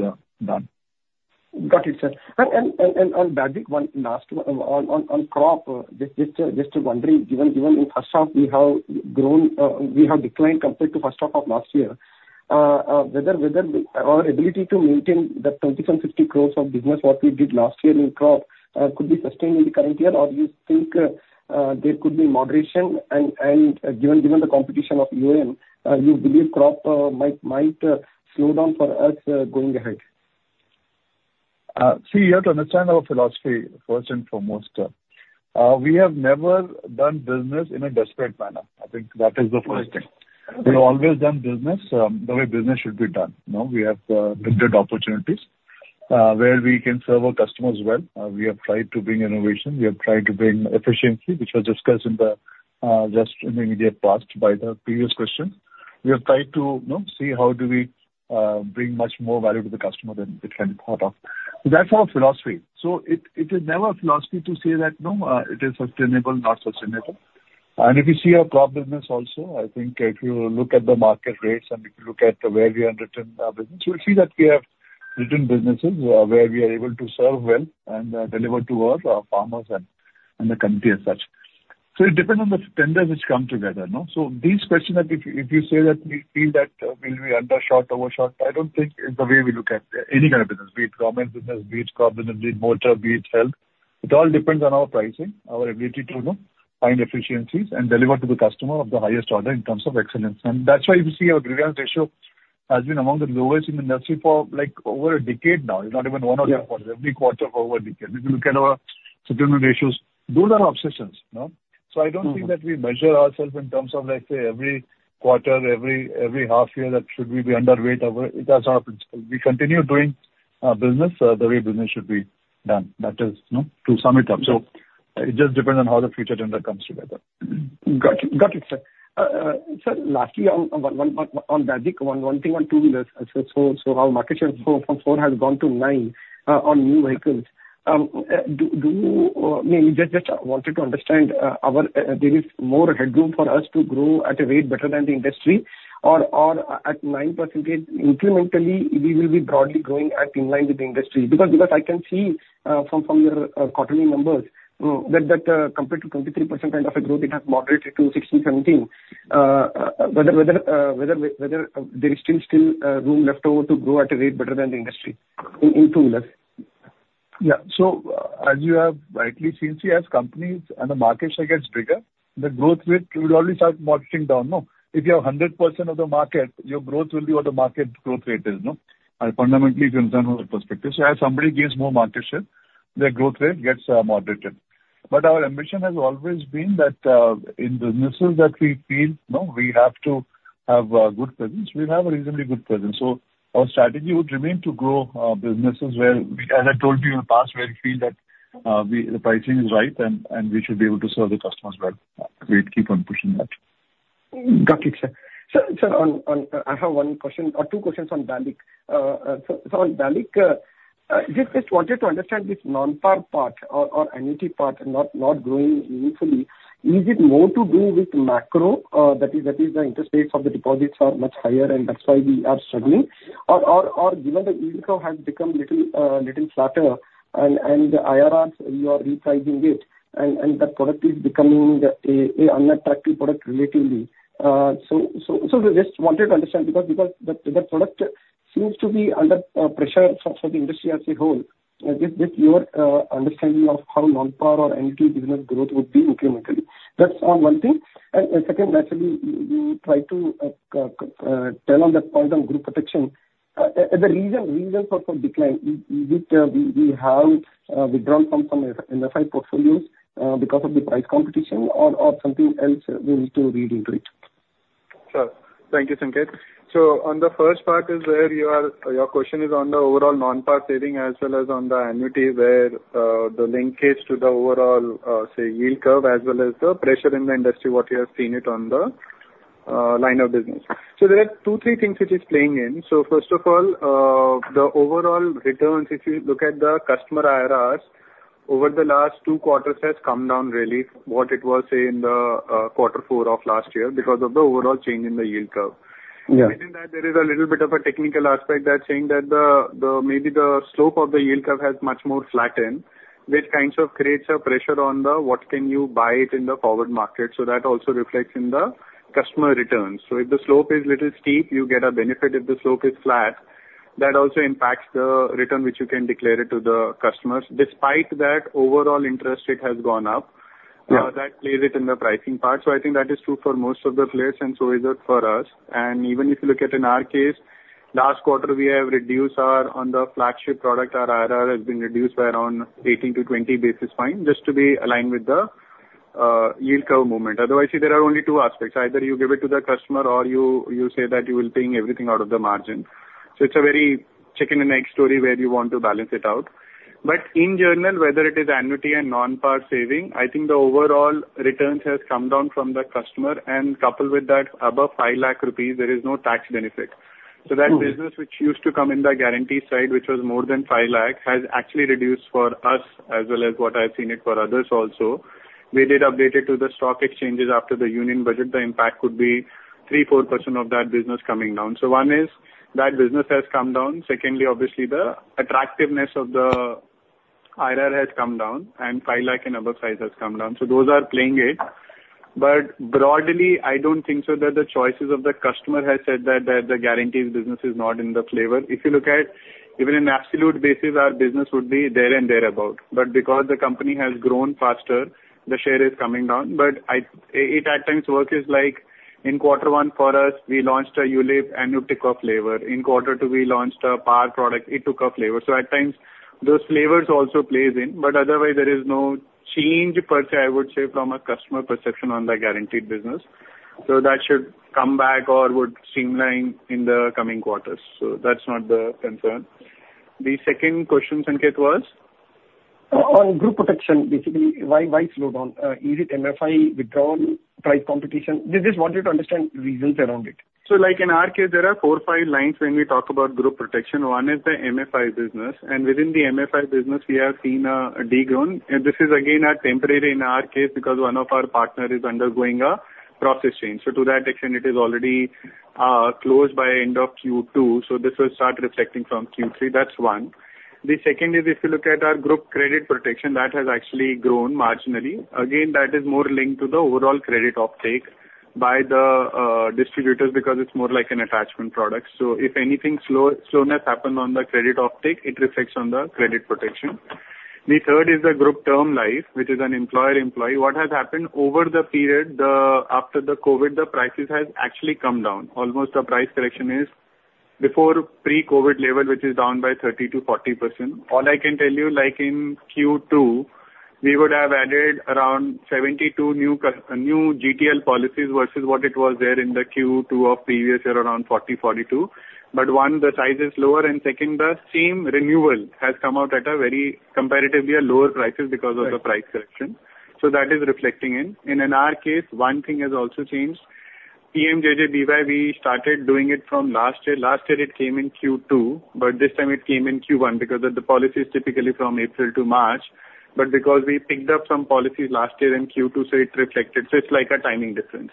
[SPEAKER 10] done.
[SPEAKER 9] Got it, sir. And on Bajaj, one last one. On crop, just wondering, given in first half, we have declined compared to first half of last year, whether our ability to maintain the 2,550 crores of business what we did last year in crop could be sustained in the current year? Or you think, there could be moderation and, given the competition of EOM, you believe crop might slow down for us, going ahead?
[SPEAKER 10] See, you have to understand our philosophy first and foremost. We have never done business in a desperate manner. I think that is the first thing.
[SPEAKER 9] Right.
[SPEAKER 10] We've always done business, the way business should be done, no? We have looked at opportunities where we can serve our customers well. We have tried to bring innovation. We have tried to bring efficiency, which was discussed in the just in the immediate past by the previous question. We have tried to, you know, see how do we bring much more value to the customer than, than can be thought of. So that's our philosophy. So it, it is never a philosophy to say that, no, it is sustainable, not sustainable. If you see our crop business also, I think if you look at the market rates and if you look at where we have written our business, you'll see that we have written businesses where we are able to serve well and deliver to our farmers and the country as such. So it depends on the tenders which come together, no? So these questions, that if you say that we feel that we'll be undershot, overshot, I don't think it's the way we look at any kind of business, be it government business, be it crop business, be it motor, be it health. It all depends on our pricing, our ability to, you know, find efficiencies and deliver to the customer of the highest order in terms of excellence. And that's why you see our grievance ratio has been among the lowest in the industry for, like, over a decade now. It's not even one or two quarters, every quarter for over a decade. If you look at our settlement ratios, those are obsessions, no? So I don't think that we measure ourselves in terms of, let's say, every quarter, every half year, that should we be underweight or... It is our principle. We continue doing business the way business should be done. That is, you know, to sum it up. So it just depends on how the future agenda comes together....
[SPEAKER 9] Got you, got it, sir. Sir, lastly, on basics, one thing on two-wheelers. So our market share from four has gone to nine, on new vehicles. Do you maybe just wanted to understand, our there is more headroom for us to grow at a rate better than the industry or at 9% incrementally, we will be broadly growing at in line with the industry. Because I can see from your quarterly numbers, that compared to 23% kind of a growth, it has moderated to 16-17. Whether there is still room left over to grow at a rate better than the industry in two-wheelers?
[SPEAKER 6] Yeah. So as you have rightly seen, as companies and the market share gets bigger, the growth rate will always start moderating down, no? If you have 100% of the market, your growth will be what the market growth rate is, no? Fundamentally from general perspective. So as somebody gains more market share, their growth rate gets moderated. But our ambition has always been that, in businesses that we feel we have to have a good presence, we have a reasonably good presence. So our strategy would remain to grow businesses where, as I told you in the past, where we feel that we the pricing is right and we should be able to serve the customers well. We keep on pushing that.
[SPEAKER 9] Got it, sir. Sir, on, I have one question or two questions on BALIC. Just wanted to understand this non-par part or annuity part not growing meaningfully. Is it more to do with macro? That is, the interest rates of the deposits are much higher and that's why we are struggling. Or, given the yield curve has become little, little flatter and the IRRs, you are repricing it and that product is becoming an unattractive product relatively. We just wanted to understand because the product seems to be under pressure for the industry as a whole. Just your understanding of how non-par or annuity business growth would be incrementally. That's one thing. Second, actually, you try to tell on that point on group protection, the reason, reason for, for decline, is, is it we, we have withdrawn from some MFI portfolios because of the price competition or, or something else we need to read into it?
[SPEAKER 6] Sure. Thank you, Sanket. So on the first part is where your question is on the overall non-par saving as well as on the annuity, where the linkage to the overall, say, yield curve, as well as the pressure in the industry, what you have seen it on the line of business. So there are two, three things which is playing in. So first of all, the overall returns, if you look at the customer IRRs, over the last two quarters, has come down really what it was, say, in the quarter four of last year because of the overall change in the yield curve.
[SPEAKER 9] Yeah.
[SPEAKER 6] Within that, there is a little bit of a technical aspect that's saying that the maybe the slope of the yield curve has much more flattened, which kind of creates a pressure on what you can buy in the forward market. So that also reflects in the customer returns. So if the slope is a little steep, you get a benefit. If the slope is flat, that also impacts the return which you can declare to the customers. Despite that, overall interest rate has gone up.
[SPEAKER 9] Yeah.
[SPEAKER 6] That plays it in the pricing part. So I think that is true for most of the players, and so is it for us. And even if you look at in our case, last quarter, we have reduced our, on the flagship product, our IRR has been reduced by around 18-20 basis point, just to be aligned with the yield curve movement. Otherwise, there are only two aspects: either you give it to the customer or you, you say that you will take everything out of the margin. So it's a very chicken and egg story where you want to balance it out. But in general, whether it is annuity and non-par saving, I think the overall returns has come down from the customer, and coupled with that, above 5 lakh rupees, there is no tax benefit.
[SPEAKER 9] Mm.
[SPEAKER 6] So that business which used to come in the guarantee side, which was more than 5 lakh, has actually reduced for us as well as what I've seen it for others also. We did update it to the stock exchanges after the Union Budget. The impact could be 3%-4% of that business coming down. So one is that business has come down. Secondly, obviously, the attractiveness of the IRR has come down, and 5 lakh and above 5 has come down. So those are playing it. But broadly, I don't think so that the choices of the customer has said that, that the guarantees business is not in the flavor. If you look at even in absolute basis, our business would be there and thereabout, but because the company has grown faster, the share is coming down. But it at times works like in quarter one for us, we launched a ULIP annuity new flavor. In quarter two, we launched a PAR product, it too a flavor. So at times, those flavors also play in, but otherwise there is no change per se, I would say, from a customer perception on the guaranteed business. So that should come back or would streamline in the coming quarters. So that's not the concern. The second question, Sanket, was?
[SPEAKER 9] On group protection, basically, why, why slow down? Is it MFI withdrawal, price competition? Just, just wanted to understand the reasons around it.
[SPEAKER 6] So like in our case, there are four, five lines when we talk about group protection. One is the MFI business, and within the MFI business, we have seen a de-grown. And this is again a temporary in our case because one of our partner is undergoing a process change. So to that extent, it is already closed by end of Q2. So this will start reflecting from Q3. That's one. The second is if you look at our group credit protection, that has actually grown marginally. Again, that is more linked to the overall credit uptake by the distributors because it's more like an attachment product. So if anything slow, slowness happen on the credit uptake, it reflects on the credit protection. The third is the group term life, which is an employer-employee. What has happened over the period after the COVID, the prices has actually come down. Almost the price correction is before pre-COVID level, which is down by 30%-40%. All I can tell you, like in Q2, we would have added around 72 new GTL policies versus what it was there in the Q2 of previous year, around 40, 42. But one, the size is lower, and second, the same renewal has come out at a very comparatively a lower prices because of the price correction. So that is reflecting in. And in our case, one thing has also changed- ... PMJJBY, we started doing it from last year. Last year, it came in Q2, but this time it came in Q1, because the, the policy is typically from April to March. But because we picked up some policies last year in Q2, so it reflected. So it's like a timing difference.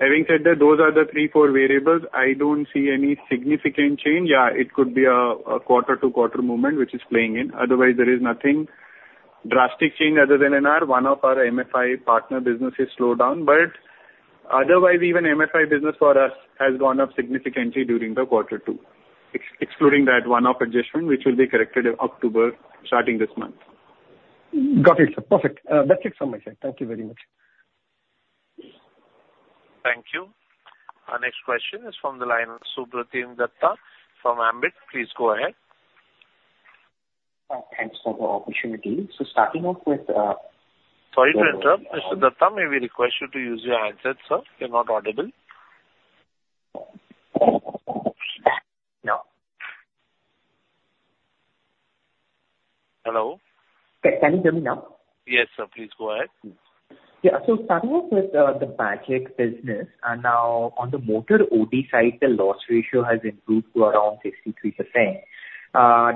[SPEAKER 6] Having said that, those are the three, four variables. I don't see any significant change. Yeah, it could be a, a quarter-to-quarter movement which is playing in. Otherwise, there is nothing drastic change other than in our one-off our MFI partner business is slowed down. But otherwise, even MFI business for us has gone up significantly during the quarter two, excluding that one-off adjustment, which will be corrected in October, starting this month.
[SPEAKER 9] Got it, sir. Perfect. That's it from my side. Thank you very much.
[SPEAKER 1] Thank you. Our next question is from the line of Supratim Datta from Ambit. Please go ahead.
[SPEAKER 11] Thanks for the opportunity. So starting off with,
[SPEAKER 1] Sorry to interrupt, Mr. Datta. May we request you to use your headset, sir? You're not audible.
[SPEAKER 11] No.
[SPEAKER 1] Hello?
[SPEAKER 11] Can you hear me now?
[SPEAKER 1] Yes, sir. Please go ahead.
[SPEAKER 11] Yeah. So starting off with the Bajaj business, and now on the motor OD side, the loss ratio has improved to around 63%,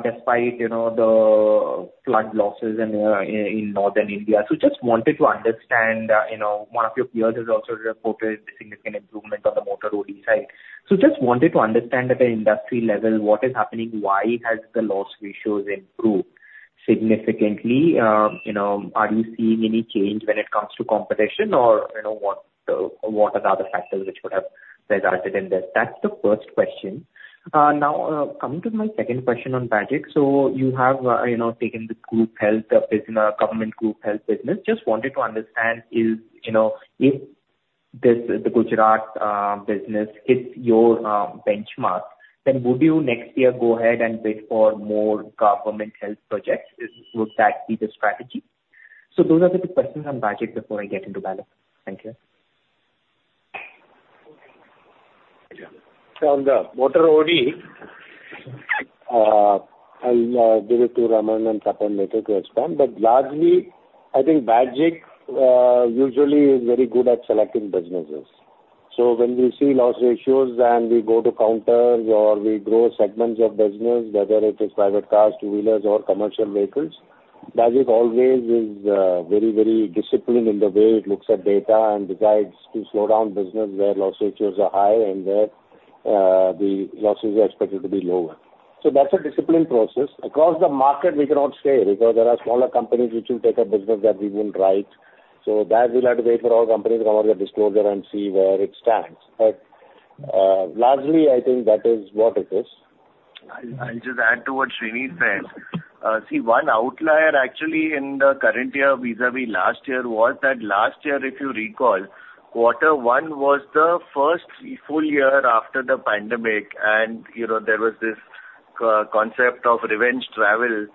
[SPEAKER 11] despite, you know, the flood losses in northern India. So just wanted to understand, you know, one of your peers has also reported a significant improvement on the motor OD side. So just wanted to understand at the industry level, what is happening, why has the loss ratios improved significantly? You know, are you seeing any change when it comes to competition, or, you know, what are the other factors which would have resulted in this? That's the first question. Now, coming to my second question on Bajaj. So you have, you know, taken the group health business, government group health business. Just wanted to understand, is, you know, if this, the Gujarat business is your benchmark, then would you next year go ahead and bid for more government health projects? Is—would that be the strategy? So those are the two questions on Bajaj before I get into balance. Thank you.
[SPEAKER 3] So on the motor OD, I'll give it to Raman and Tapan later to expand. But largely, I think Bajaj usually is very good at selecting businesses. So when we see loss ratios and we go to counters or we grow segments of business, whether it is private cars, two-wheelers or commercial vehicles, Bajaj always is very, very disciplined in the way it looks at data and decides to slow down business where loss ratios are high and where the losses are expected to be lower. So that's a disciplined process. Across the market, we cannot say, because there are smaller companies which will take a business that we wouldn't write. So that we'll have to wait for all companies to come out with their disclosure and see where it stands. But largely, I think that is what it is.
[SPEAKER 5] I'll just add to what Sreeni said. See, one outlier actually in the current year vis-a-vis last year was that last year, if you recall, quarter one was the first full year after the pandemic, and, you know, there was this concept of revenge travel,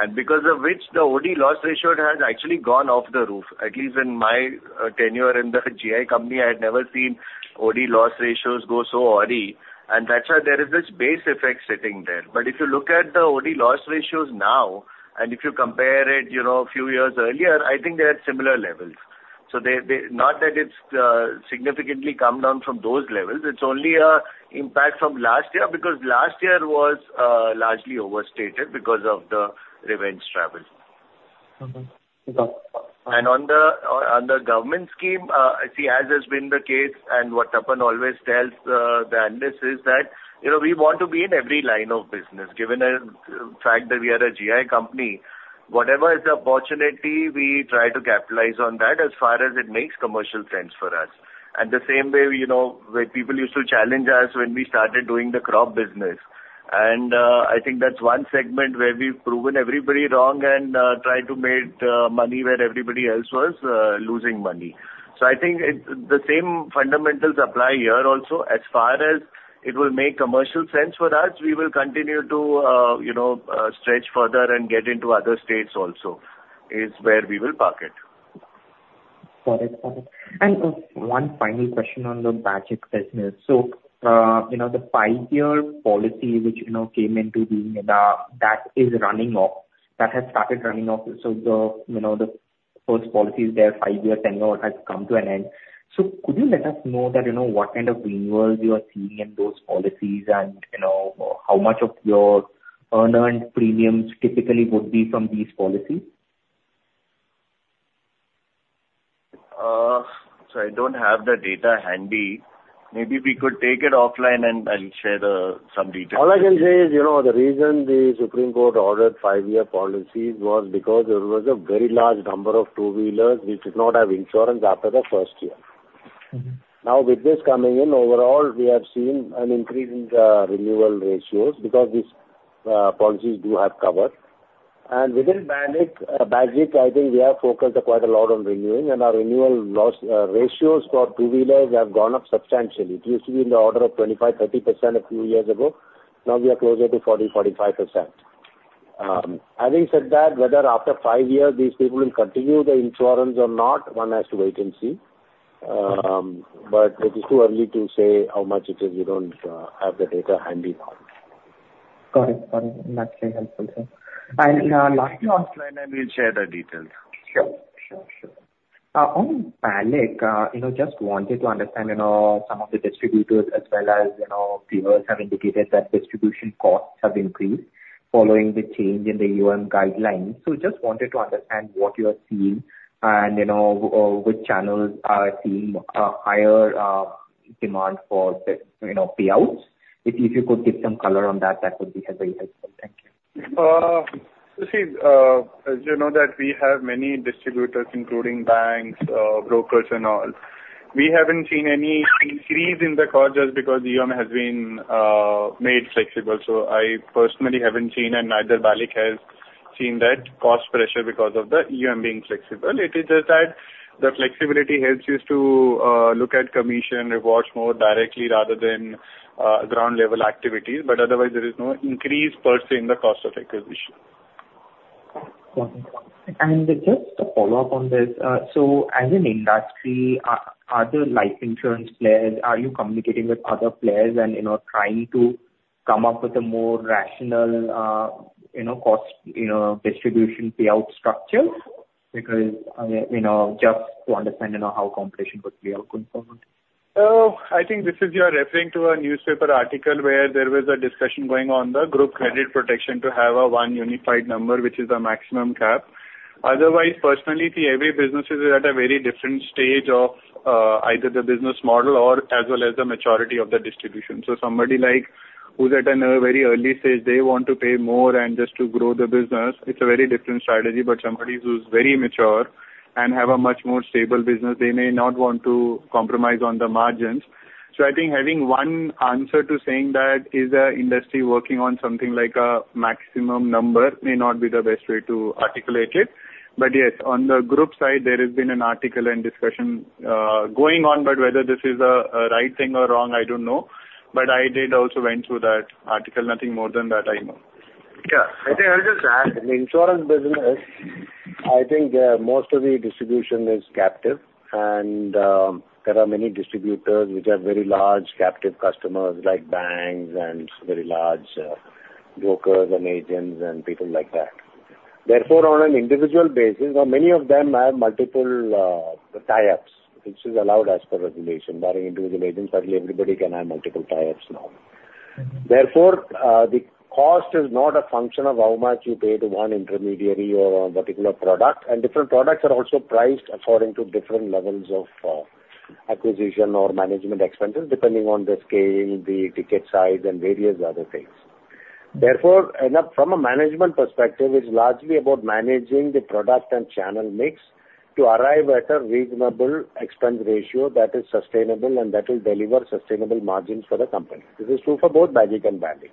[SPEAKER 5] and because of which, the OD loss ratio had actually gone off the roof. At least in my tenure in the GI company, I had never seen OD loss ratios go so odd, and that's why there is this base effect sitting there. But if you look at the OD loss ratios now, and if you compare it, you know, a few years earlier, I think they're at similar levels. So they... Not that it's significantly come down from those levels, it's only a impact from last year, because last year was largely overstated because of the revenge travel.
[SPEAKER 11] Mm-hmm.
[SPEAKER 5] On the government scheme, as has been the case and what Tapan always tells the analysts is that, you know, we want to be in every line of business. Given the fact that we are a GI company, whatever is the opportunity, we try to capitalize on that as far as it makes commercial sense for us. And the same way, you know, where people used to challenge us when we started doing the crop business. And I think that's one segment where we've proven everybody wrong and tried to make money where everybody else was losing money. So I think the same fundamentals apply here also. As far as it will make commercial sense for us, we will continue to, you know, stretch further and get into other states also, is where we will park it.
[SPEAKER 11] Got it. Got it. And, one final question on the Bajaj business. So, you know, the five-year policy, which, you know, came into being, that is running off, that has started running off. So the, you know, the first policy is there, five-year tenure has come to an end. So could you let us know that, you know, what kind of renewals you are seeing in those policies? And, you know, how much of your unearned premiums typically would be from these policies?
[SPEAKER 5] I don't have the data handy. Maybe we could take it offline and I'll share some details.
[SPEAKER 3] All I can say is, you know, the reason the Supreme Court ordered five-year policies was because there was a very large number of two-wheelers which did not have insurance after the first year.
[SPEAKER 11] Mm-hmm.
[SPEAKER 3] Now, with this coming in, overall, we have seen an increase in the renewal ratios because these policies do have cover. And within Bajaj, I think we have focused quite a lot on renewing, and our renewal loss ratios for two-wheelers have gone up substantially. It used to be in the order of 25-30% a few years ago. Now we are closer to 40-45%. Having said that, whether after five years these people will continue the insurance or not, one has to wait and see. But it is too early to say how much it is. We don't have the data handy now....
[SPEAKER 11] Got it, got it. That's very helpful, sir. And, lastly-
[SPEAKER 3] Yeah, offline, and we'll share the details.
[SPEAKER 11] Sure, sure, sure. On BALIC, you know, just wanted to understand, you know, some of the distributors as well as, you know, peers have indicated that distribution costs have increased following the change in the UM guidelines. So just wanted to understand what you are seeing and, you know, which channels are seeing a higher demand for the, you know, payouts. If, if you could give some color on that, that would be very helpful. Thank you.
[SPEAKER 6] You see, as you know, that we have many distributors, including banks, brokers, and all. We haven't seen any increase in the costs just because UM has been made flexible. So I personally haven't seen and neither BALIC has seen that cost pressure because of the UM being flexible. It is just that the flexibility helps us to look at commission rewards more directly rather than ground-level activities. But otherwise, there is no increase per se in the cost of acquisition.
[SPEAKER 11] Got it. Just a follow-up on this. So as an industry, are there life insurance players, are you communicating with other players and, you know, trying to come up with a more rational, you know, cost, you know, distribution payout structure? Because, you know, just to understand, you know, how competition with payout could go on.
[SPEAKER 6] So I think this is, you're referring to a newspaper article where there was a discussion going on the group credit protection to have a one unified number, which is the maximum cap. Otherwise, personally, see, every business is at a very different stage of, either the business model or as well as the maturity of the distribution. So somebody like who's at a, very early stage, they want to pay more and just to grow the business, it's a very different strategy. But somebody who's very mature and have a much more stable business, they may not want to compromise on the margins. So I think having one answer to saying that is a industry working on something like a maximum number may not be the best way to articulate it. But yes, on the group side, there has been an article and discussion going on, but whether this is a right thing or wrong, I don't know. But I did also went through that article. Nothing more than that, I know.
[SPEAKER 3] Yeah. I think I'll just add. In the insurance business, I think most of the distribution is captive, and there are many distributors which are very large captive customers, like banks and very large brokers and agents and people like that. Therefore, on an individual basis or many of them have multiple tie-ups, which is allowed as per regulation, barring individual agents, certainly everybody can have multiple tie-ups now. Therefore, the cost is not a function of how much you pay to one intermediary or a particular product, and different products are also priced according to different levels of acquisition or management expenses, depending on the scale, the ticket size, and various other things. Therefore, and from a management perspective, it's largely about managing the product and channel mix to arrive at a reasonable expense ratio that is sustainable and that will deliver sustainable margins for the company. This is true for both BAGIC and BALIC.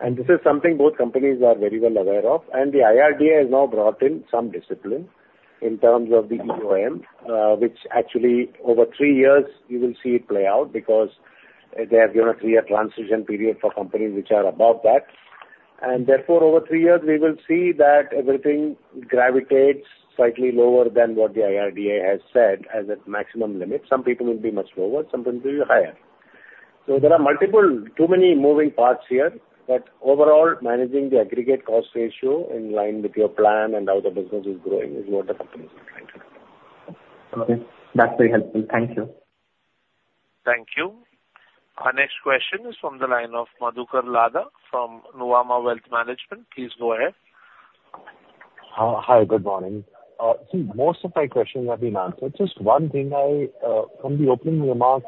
[SPEAKER 3] And this is something both companies are very well aware of, and the IRDA has now brought in some discipline in terms of the EOM, which actually, over three years you will see it play out because they have given a three-year transition period for companies which are above that. And therefore, over three years, we will see that everything gravitates slightly lower than what the IRDA has said as a maximum limit. Some people will be much lower, some people will be higher. So there are multiple, too many moving parts here. Overall, managing the aggregate cost ratio in line with your plan and how the business is growing is what the companies are trying to do.
[SPEAKER 11] Okay. That's very helpful. Thank you.
[SPEAKER 1] Thank you. Our next question is from the line of Madhukar Ladha from Nuvama Wealth Management. Please go ahead.
[SPEAKER 12] Hi, good morning. See, most of my questions have been answered. Just one thing I from the opening remarks,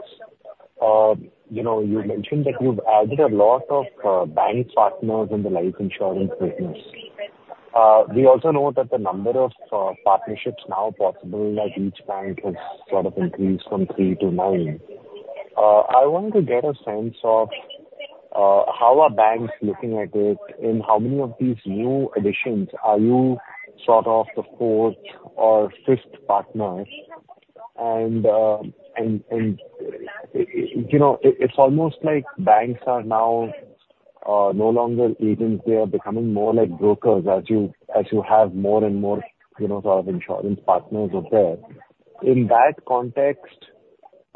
[SPEAKER 12] you know, you mentioned that you've added a lot of bank partners in the life insurance business. We also know that the number of partnerships now possible at each bank has sort of increased from 3 to 9. I want to get a sense of how are banks looking at it, and how many of these new additions are you sort of the fourth or fifth partner? And, you know, it, it's almost like banks are now no longer agents. They are becoming more like brokers as you, as you have more and more, you know, sort of insurance partners out there. In that context,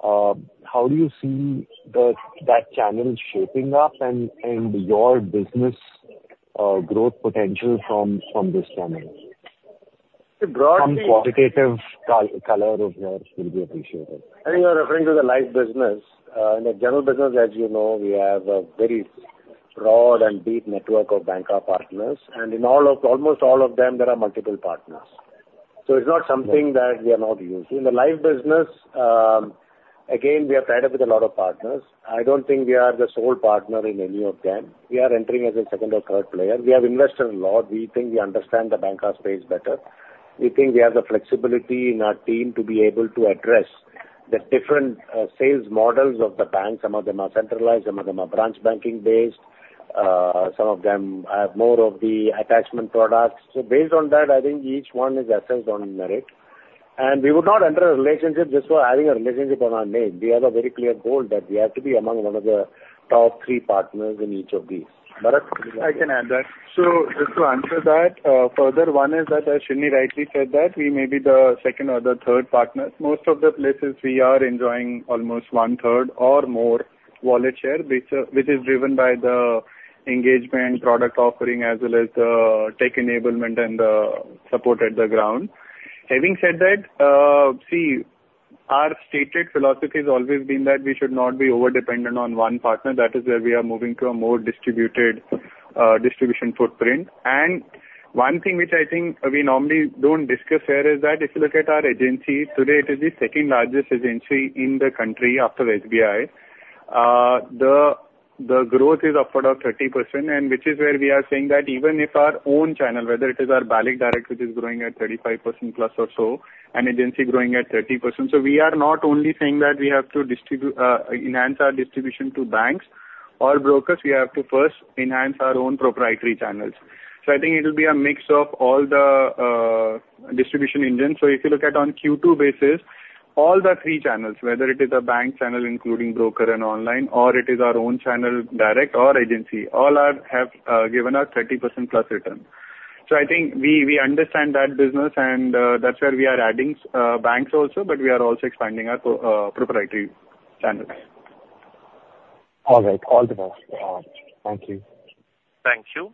[SPEAKER 12] how do you see that channel shaping up and your business growth potential from this channel?
[SPEAKER 3] Broadly-
[SPEAKER 12] Some quantitative color of yours will be appreciated.
[SPEAKER 3] I think you're referring to the life business. In the general business, as you know, we have a very broad and deep network of banker partners, and in almost all of them, there are multiple partners. So it's not something that we are not used to. In the life business, again, we have tied up with a lot of partners. I don't think we are the sole partner in any of them. We are entering as a second or third player. We have invested a lot. We think we understand the banker space better. We think we have the flexibility in our team to be able to address the different sales models of the bank. Some of them are centralized, some of them are branch banking-based. Some of them have more of the attachment products. Based on that, I think each one is assessed on merit. ...we would not enter a relationship just for having a relationship on our name. We have a very clear goal that we have to be among one of the top three partners in each of these. Bharat?
[SPEAKER 6] I can add that. So just to answer that, further, one is that, as Srini rightly said, that we may be the second or the third partner. Most of the places we are enjoying almost one third or more wallet share, which, which is driven by the engagement product offering as well as the tech enablement and the support at the ground. Having said that, see, our stated philosophy has always been that we should not be overdependent on one partner. That is where we are moving to a more distributed, distribution footprint. And one thing which I think we normally don't discuss here is that if you look at our agency, today, it is the second largest agency in the country after SBI. The growth is of about 30%, and which is where we are saying that even if our own channel, whether it is our BALIC direct, which is growing at 35% plus or so, and agency growing at 30%. So we are not only saying that we have to enhance our distribution to banks or brokers, we have to first enhance our own proprietary channels. So I think it will be a mix of all the distribution engines. So if you look at on Q2 basis, all the three channels, whether it is a bank channel, including broker and online, or it is our own channel, direct or agency, all have given us 30%+ return. I think we understand that business, and that's where we are adding banks also, but we are also expanding our proprietary channels.
[SPEAKER 12] All right. All the best. Thank you.
[SPEAKER 1] Thank you.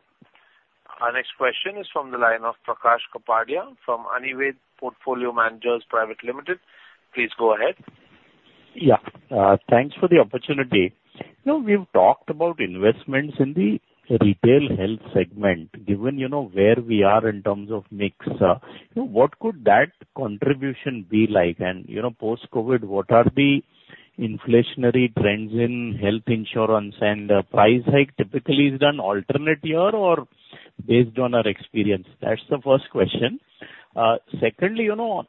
[SPEAKER 1] Our next question is from the line of Prakash Kapadia from Anived Portfolio Managers Private Limited. Please go ahead.
[SPEAKER 13] Yeah. Thanks for the opportunity. You know, we've talked about investments in the retail health segment. Given you know where we are in terms of mix, you know, what could that contribution be like? And, you know, post-COVID, what are the inflationary trends in health insurance, and, price hike typically is done alternate year or based on our experience? That's the first question. Secondly, you know,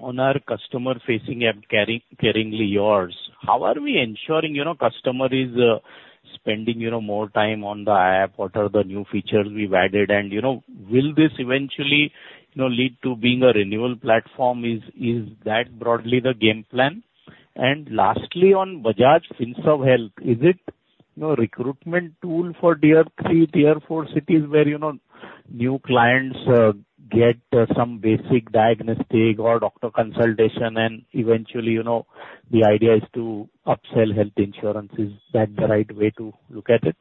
[SPEAKER 13] on our customer-facing app, Caringly Yours, how are we ensuring, you know, customer is, spending, you know, more time on the app? What are the new features we've added? And, you know, will this eventually, you know, lead to being a renewal platform? Is, is that broadly the game plan? Lastly, on Bajaj Finserv Health, is it, you know, a recruitment tool for Tier 3, Tier 4 cities where, you know, new clients get some basic diagnostic or doctor consultation, and eventually, you know, the idea is to upsell health insurance. Is that the right way to look at it?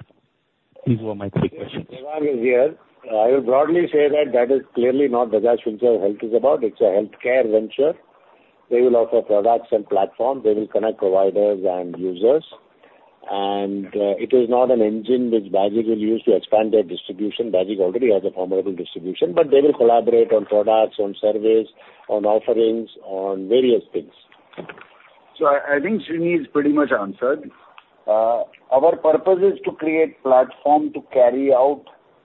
[SPEAKER 13] These were my three questions.
[SPEAKER 7] Devang is here. I would broadly say that that is clearly not Bajaj Finserv Health is about. It's a healthcare venture. They will offer products and platforms. They will connect providers and users, and it is not an engine which Bajaj will use to expand their distribution. Bajaj already has a formidable distribution, but they will collaborate on products, on surveys, on offerings, on various things. So I think Srini has pretty much answered.
[SPEAKER 3] Our purpose is to create platform to carry out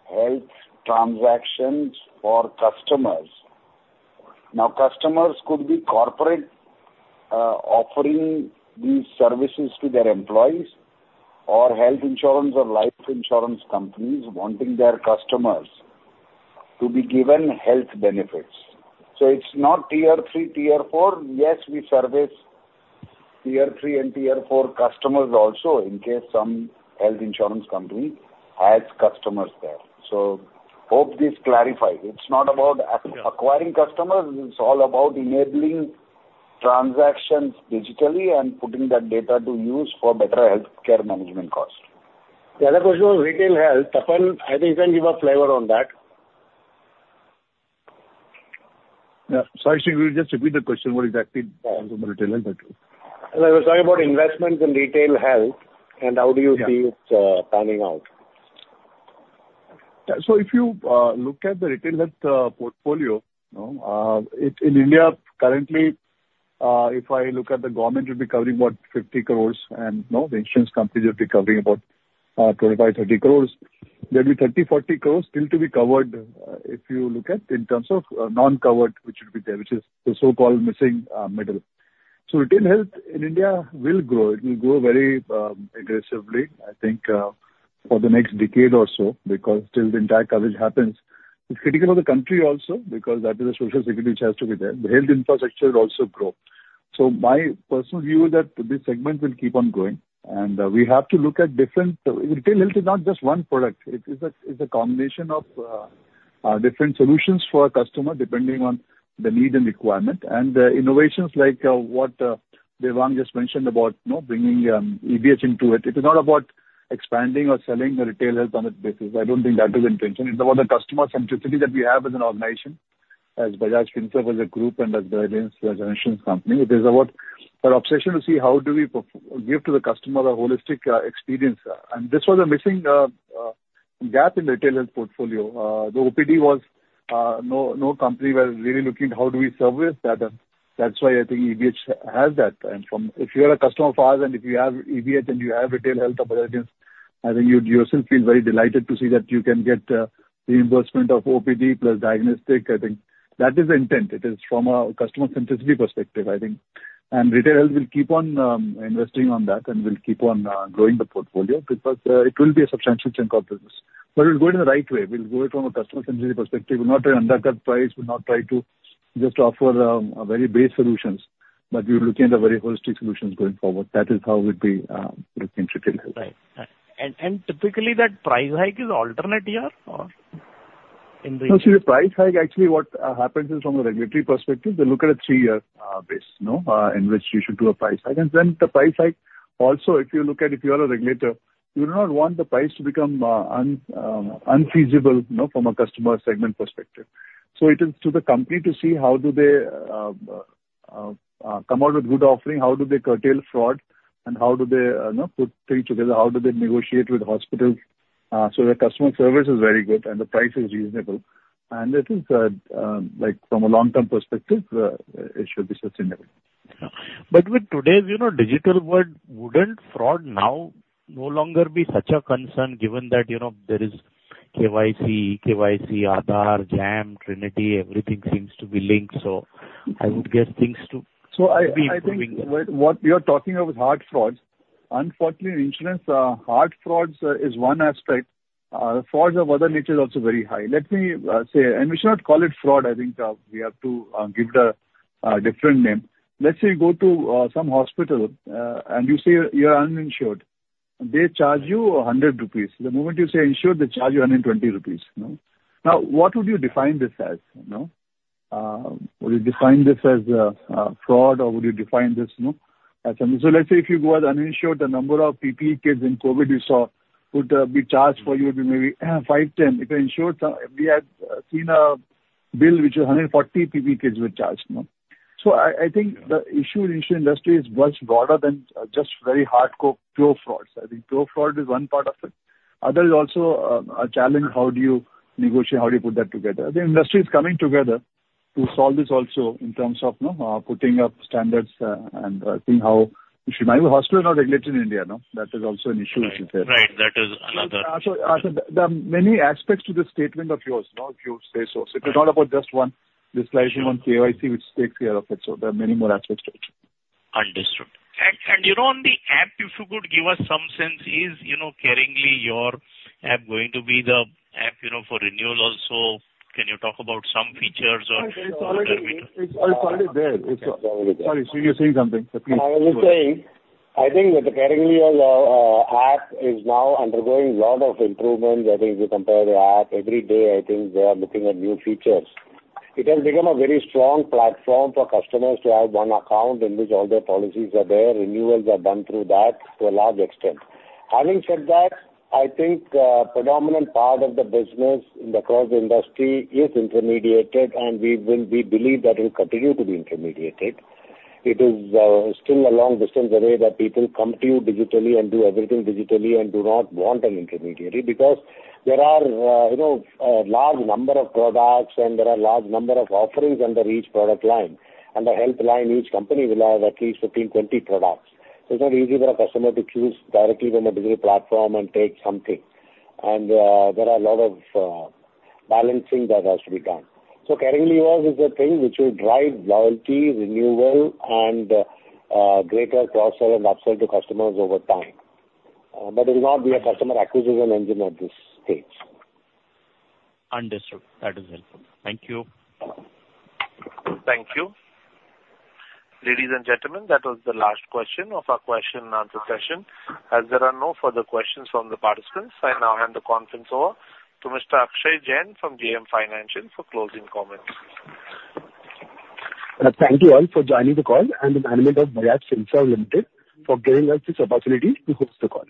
[SPEAKER 3] health transactions for customers. Now, customers could be corporate, offering these services to their employees, or health insurance or life insurance companies wanting their customers to be given health benefits. So it's not tier three, tier four. Yes, we service tier three and tier four customers also, in case some health insurance company has customers there. So hope this clarifies. It's not about acquiring customers, it's all about enabling transactions digitally and putting that data to use for better healthcare management cost. The other question was retail health. Tapan, I think you can give a flavor on that.
[SPEAKER 10] Yeah. Sorry, Srini, will you just repeat the question? What exactly on the retail health?
[SPEAKER 3] I was talking about investments in retail health, and how do you see-
[SPEAKER 10] Yeah.
[SPEAKER 3] it panning out?
[SPEAKER 10] Yeah. So if you look at the retail health portfolio, you know, it's in India currently, if I look at the government will be covering about 50 crore and, you know, the insurance companies will be covering about twenty-five, thirty crores. There'll be 30 crore-40 crore still to be covered, if you look at in terms of non-covered, which will be there, which is the so-called missing middle. So retail health in India will grow. It will grow very aggressively, I think, for the next decade or so, because till the entire coverage happens, it's critical for the country also, because that is a social security which has to be there. The health infrastructure will also grow. So my personal view is that this segment will keep on going, and we have to look at different... Retail health is not just one product. It is a combination of different solutions for a customer, depending on the need and requirement. And the innovations like what Devang just mentioned about, you know, bringing BFH into it. It is not about expanding or selling the retail health on that basis. I don't think that is the intention. It's about the customer centricity that we have as an organization, as Bajaj Finserv, as a group, and as Bajaj as an insurance company. It is about our obsession to see how do we give to the customer a holistic experience. And this was a missing gap in the retail health portfolio. The OPD. No company was really looking at how do we service that. That's why I think BFH has that. If you are a customer of ours, and if you have BFH, and you have retail health of Bajaj, I think you, you yourself feel very delighted to see that you can get reimbursement of OPD plus diagnostic. I think that is the intent. It is from a customer centricity perspective, I think. And retail health, we'll keep on investing on that, and we'll keep on growing the portfolio because it will be a substantial chunk of business. But we'll go in the right way. We'll go it from a customer-centric perspective, we'll not undercut price, we'll not try to just offer a very base solutions, but we're looking at a very holistic solutions going forward. That is how we'd be looking to retail health.
[SPEAKER 13] Right. And typically, that price hike is alternate year or in the-
[SPEAKER 10] No, see, the price hike, actually, what happens is from a regulatory perspective, they look at a three-year base, you know, in which you should do a price hike. And then the price hike, also, if you look at if you are a regulator, you do not want the price to become unfeasible, you know, from a customer segment perspective. So it is to the company to see how do they come out with good offering, how do they curtail fraud, and how do they, you know, put things together, how do they negotiate with hospitals, so their customer service is very good and the price is reasonable. And it is, like from a long-term perspective, it should be sustainable.
[SPEAKER 13] But with today's, you know, digital world, wouldn't fraud now no longer be such a concern given that, you know, there is KYC, eKYC, Aadhaar, JAM Trinity, everything seems to be linked, so I would guess things to be improving?
[SPEAKER 10] So I think what you're talking of is hard frauds. Unfortunately, in insurance, hard frauds is one aspect. Frauds of other nature is also very high. Let me say, and we should not call it fraud, I think, we have to give it a different name. Let's say you go to some hospital and you say you are uninsured. They charge you 100 rupees. The moment you say insured, they charge you 120 rupees, you know? Now, what would you define this as, you know? Would you define this as a fraud or would you define this, you know, as something... So let's say if you go as uninsured, the number of PPE kits in COVID you saw would be charged for you would be maybe five, 10. If you're insured, we have seen a bill which is 140 PPE kits were charged, you know? So I think the issue in insurance industry is much broader than just very hardcore pure frauds. I think pure fraud is one part of it. Other is also a challenge, how do you negotiate, how do you put that together? The industry is coming together to solve this also in terms of, you know, putting up standards, and seeing how you should mind, the hospital are not regulated in India, no? That is also an issue, which is there.
[SPEAKER 13] Right. That is another-
[SPEAKER 10] So, there are many aspects to this statement of yours, you know, if you say so. It is not about just one, just relying on KYC which takes care of it, so there are many more aspects to it.
[SPEAKER 13] Understood. And, you know, on the app, if you could give us some sense, is, you know, Caringly Yours app going to be the app, you know, for renewal also? Can you talk about some features or-
[SPEAKER 10] It's already there.
[SPEAKER 13] Sorry, you were saying something. Please, go on.
[SPEAKER 10] I was saying, I think that the Caringly app is now undergoing a lot of improvements. I think if you compare the app, every day, I think they are looking at new features. It has become a very strong platform for customers to have one account in which all their policies are there, renewals are done through that to a large extent. Having said that, I think, predominant part of the business across the industry is intermediated, and we will—we believe that it will continue to be intermediated. It is, still a long distance away that people come to you digitally and do everything digitally and do not want an intermediary because there are, you know, a large number of products and there are large number of offerings under each product line. Under health line, each company will have at least 15, 20 products. It's not easy for a customer to choose directly from a digital platform and take something. There are a lot of balancing that has to be done. Caringly Yours is a thing which will drive loyalty, renewal, and greater cross-sell and up-sell to customers over time. But it will not be a customer acquisition engine at this stage.
[SPEAKER 13] Understood. That is helpful. Thank you.
[SPEAKER 1] Thank you. Ladies and gentlemen, that was the last question of our question and answer session. As there are no further questions from the participants, I now hand the conference over to Mr. Akshay Jain from JM Financial for closing comments.
[SPEAKER 14] Thank you all for joining the call and the management of Bajaj Finserv Limited for giving us this opportunity to host the call.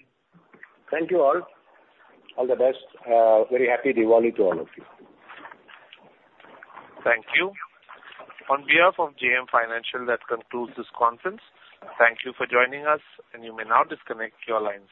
[SPEAKER 14] Thank you all. All the best. Very happy Diwali to all of you.
[SPEAKER 1] Thank you. On behalf of JM Financial, that concludes this conference. Thank you for joining us, and you may now disconnect your lines.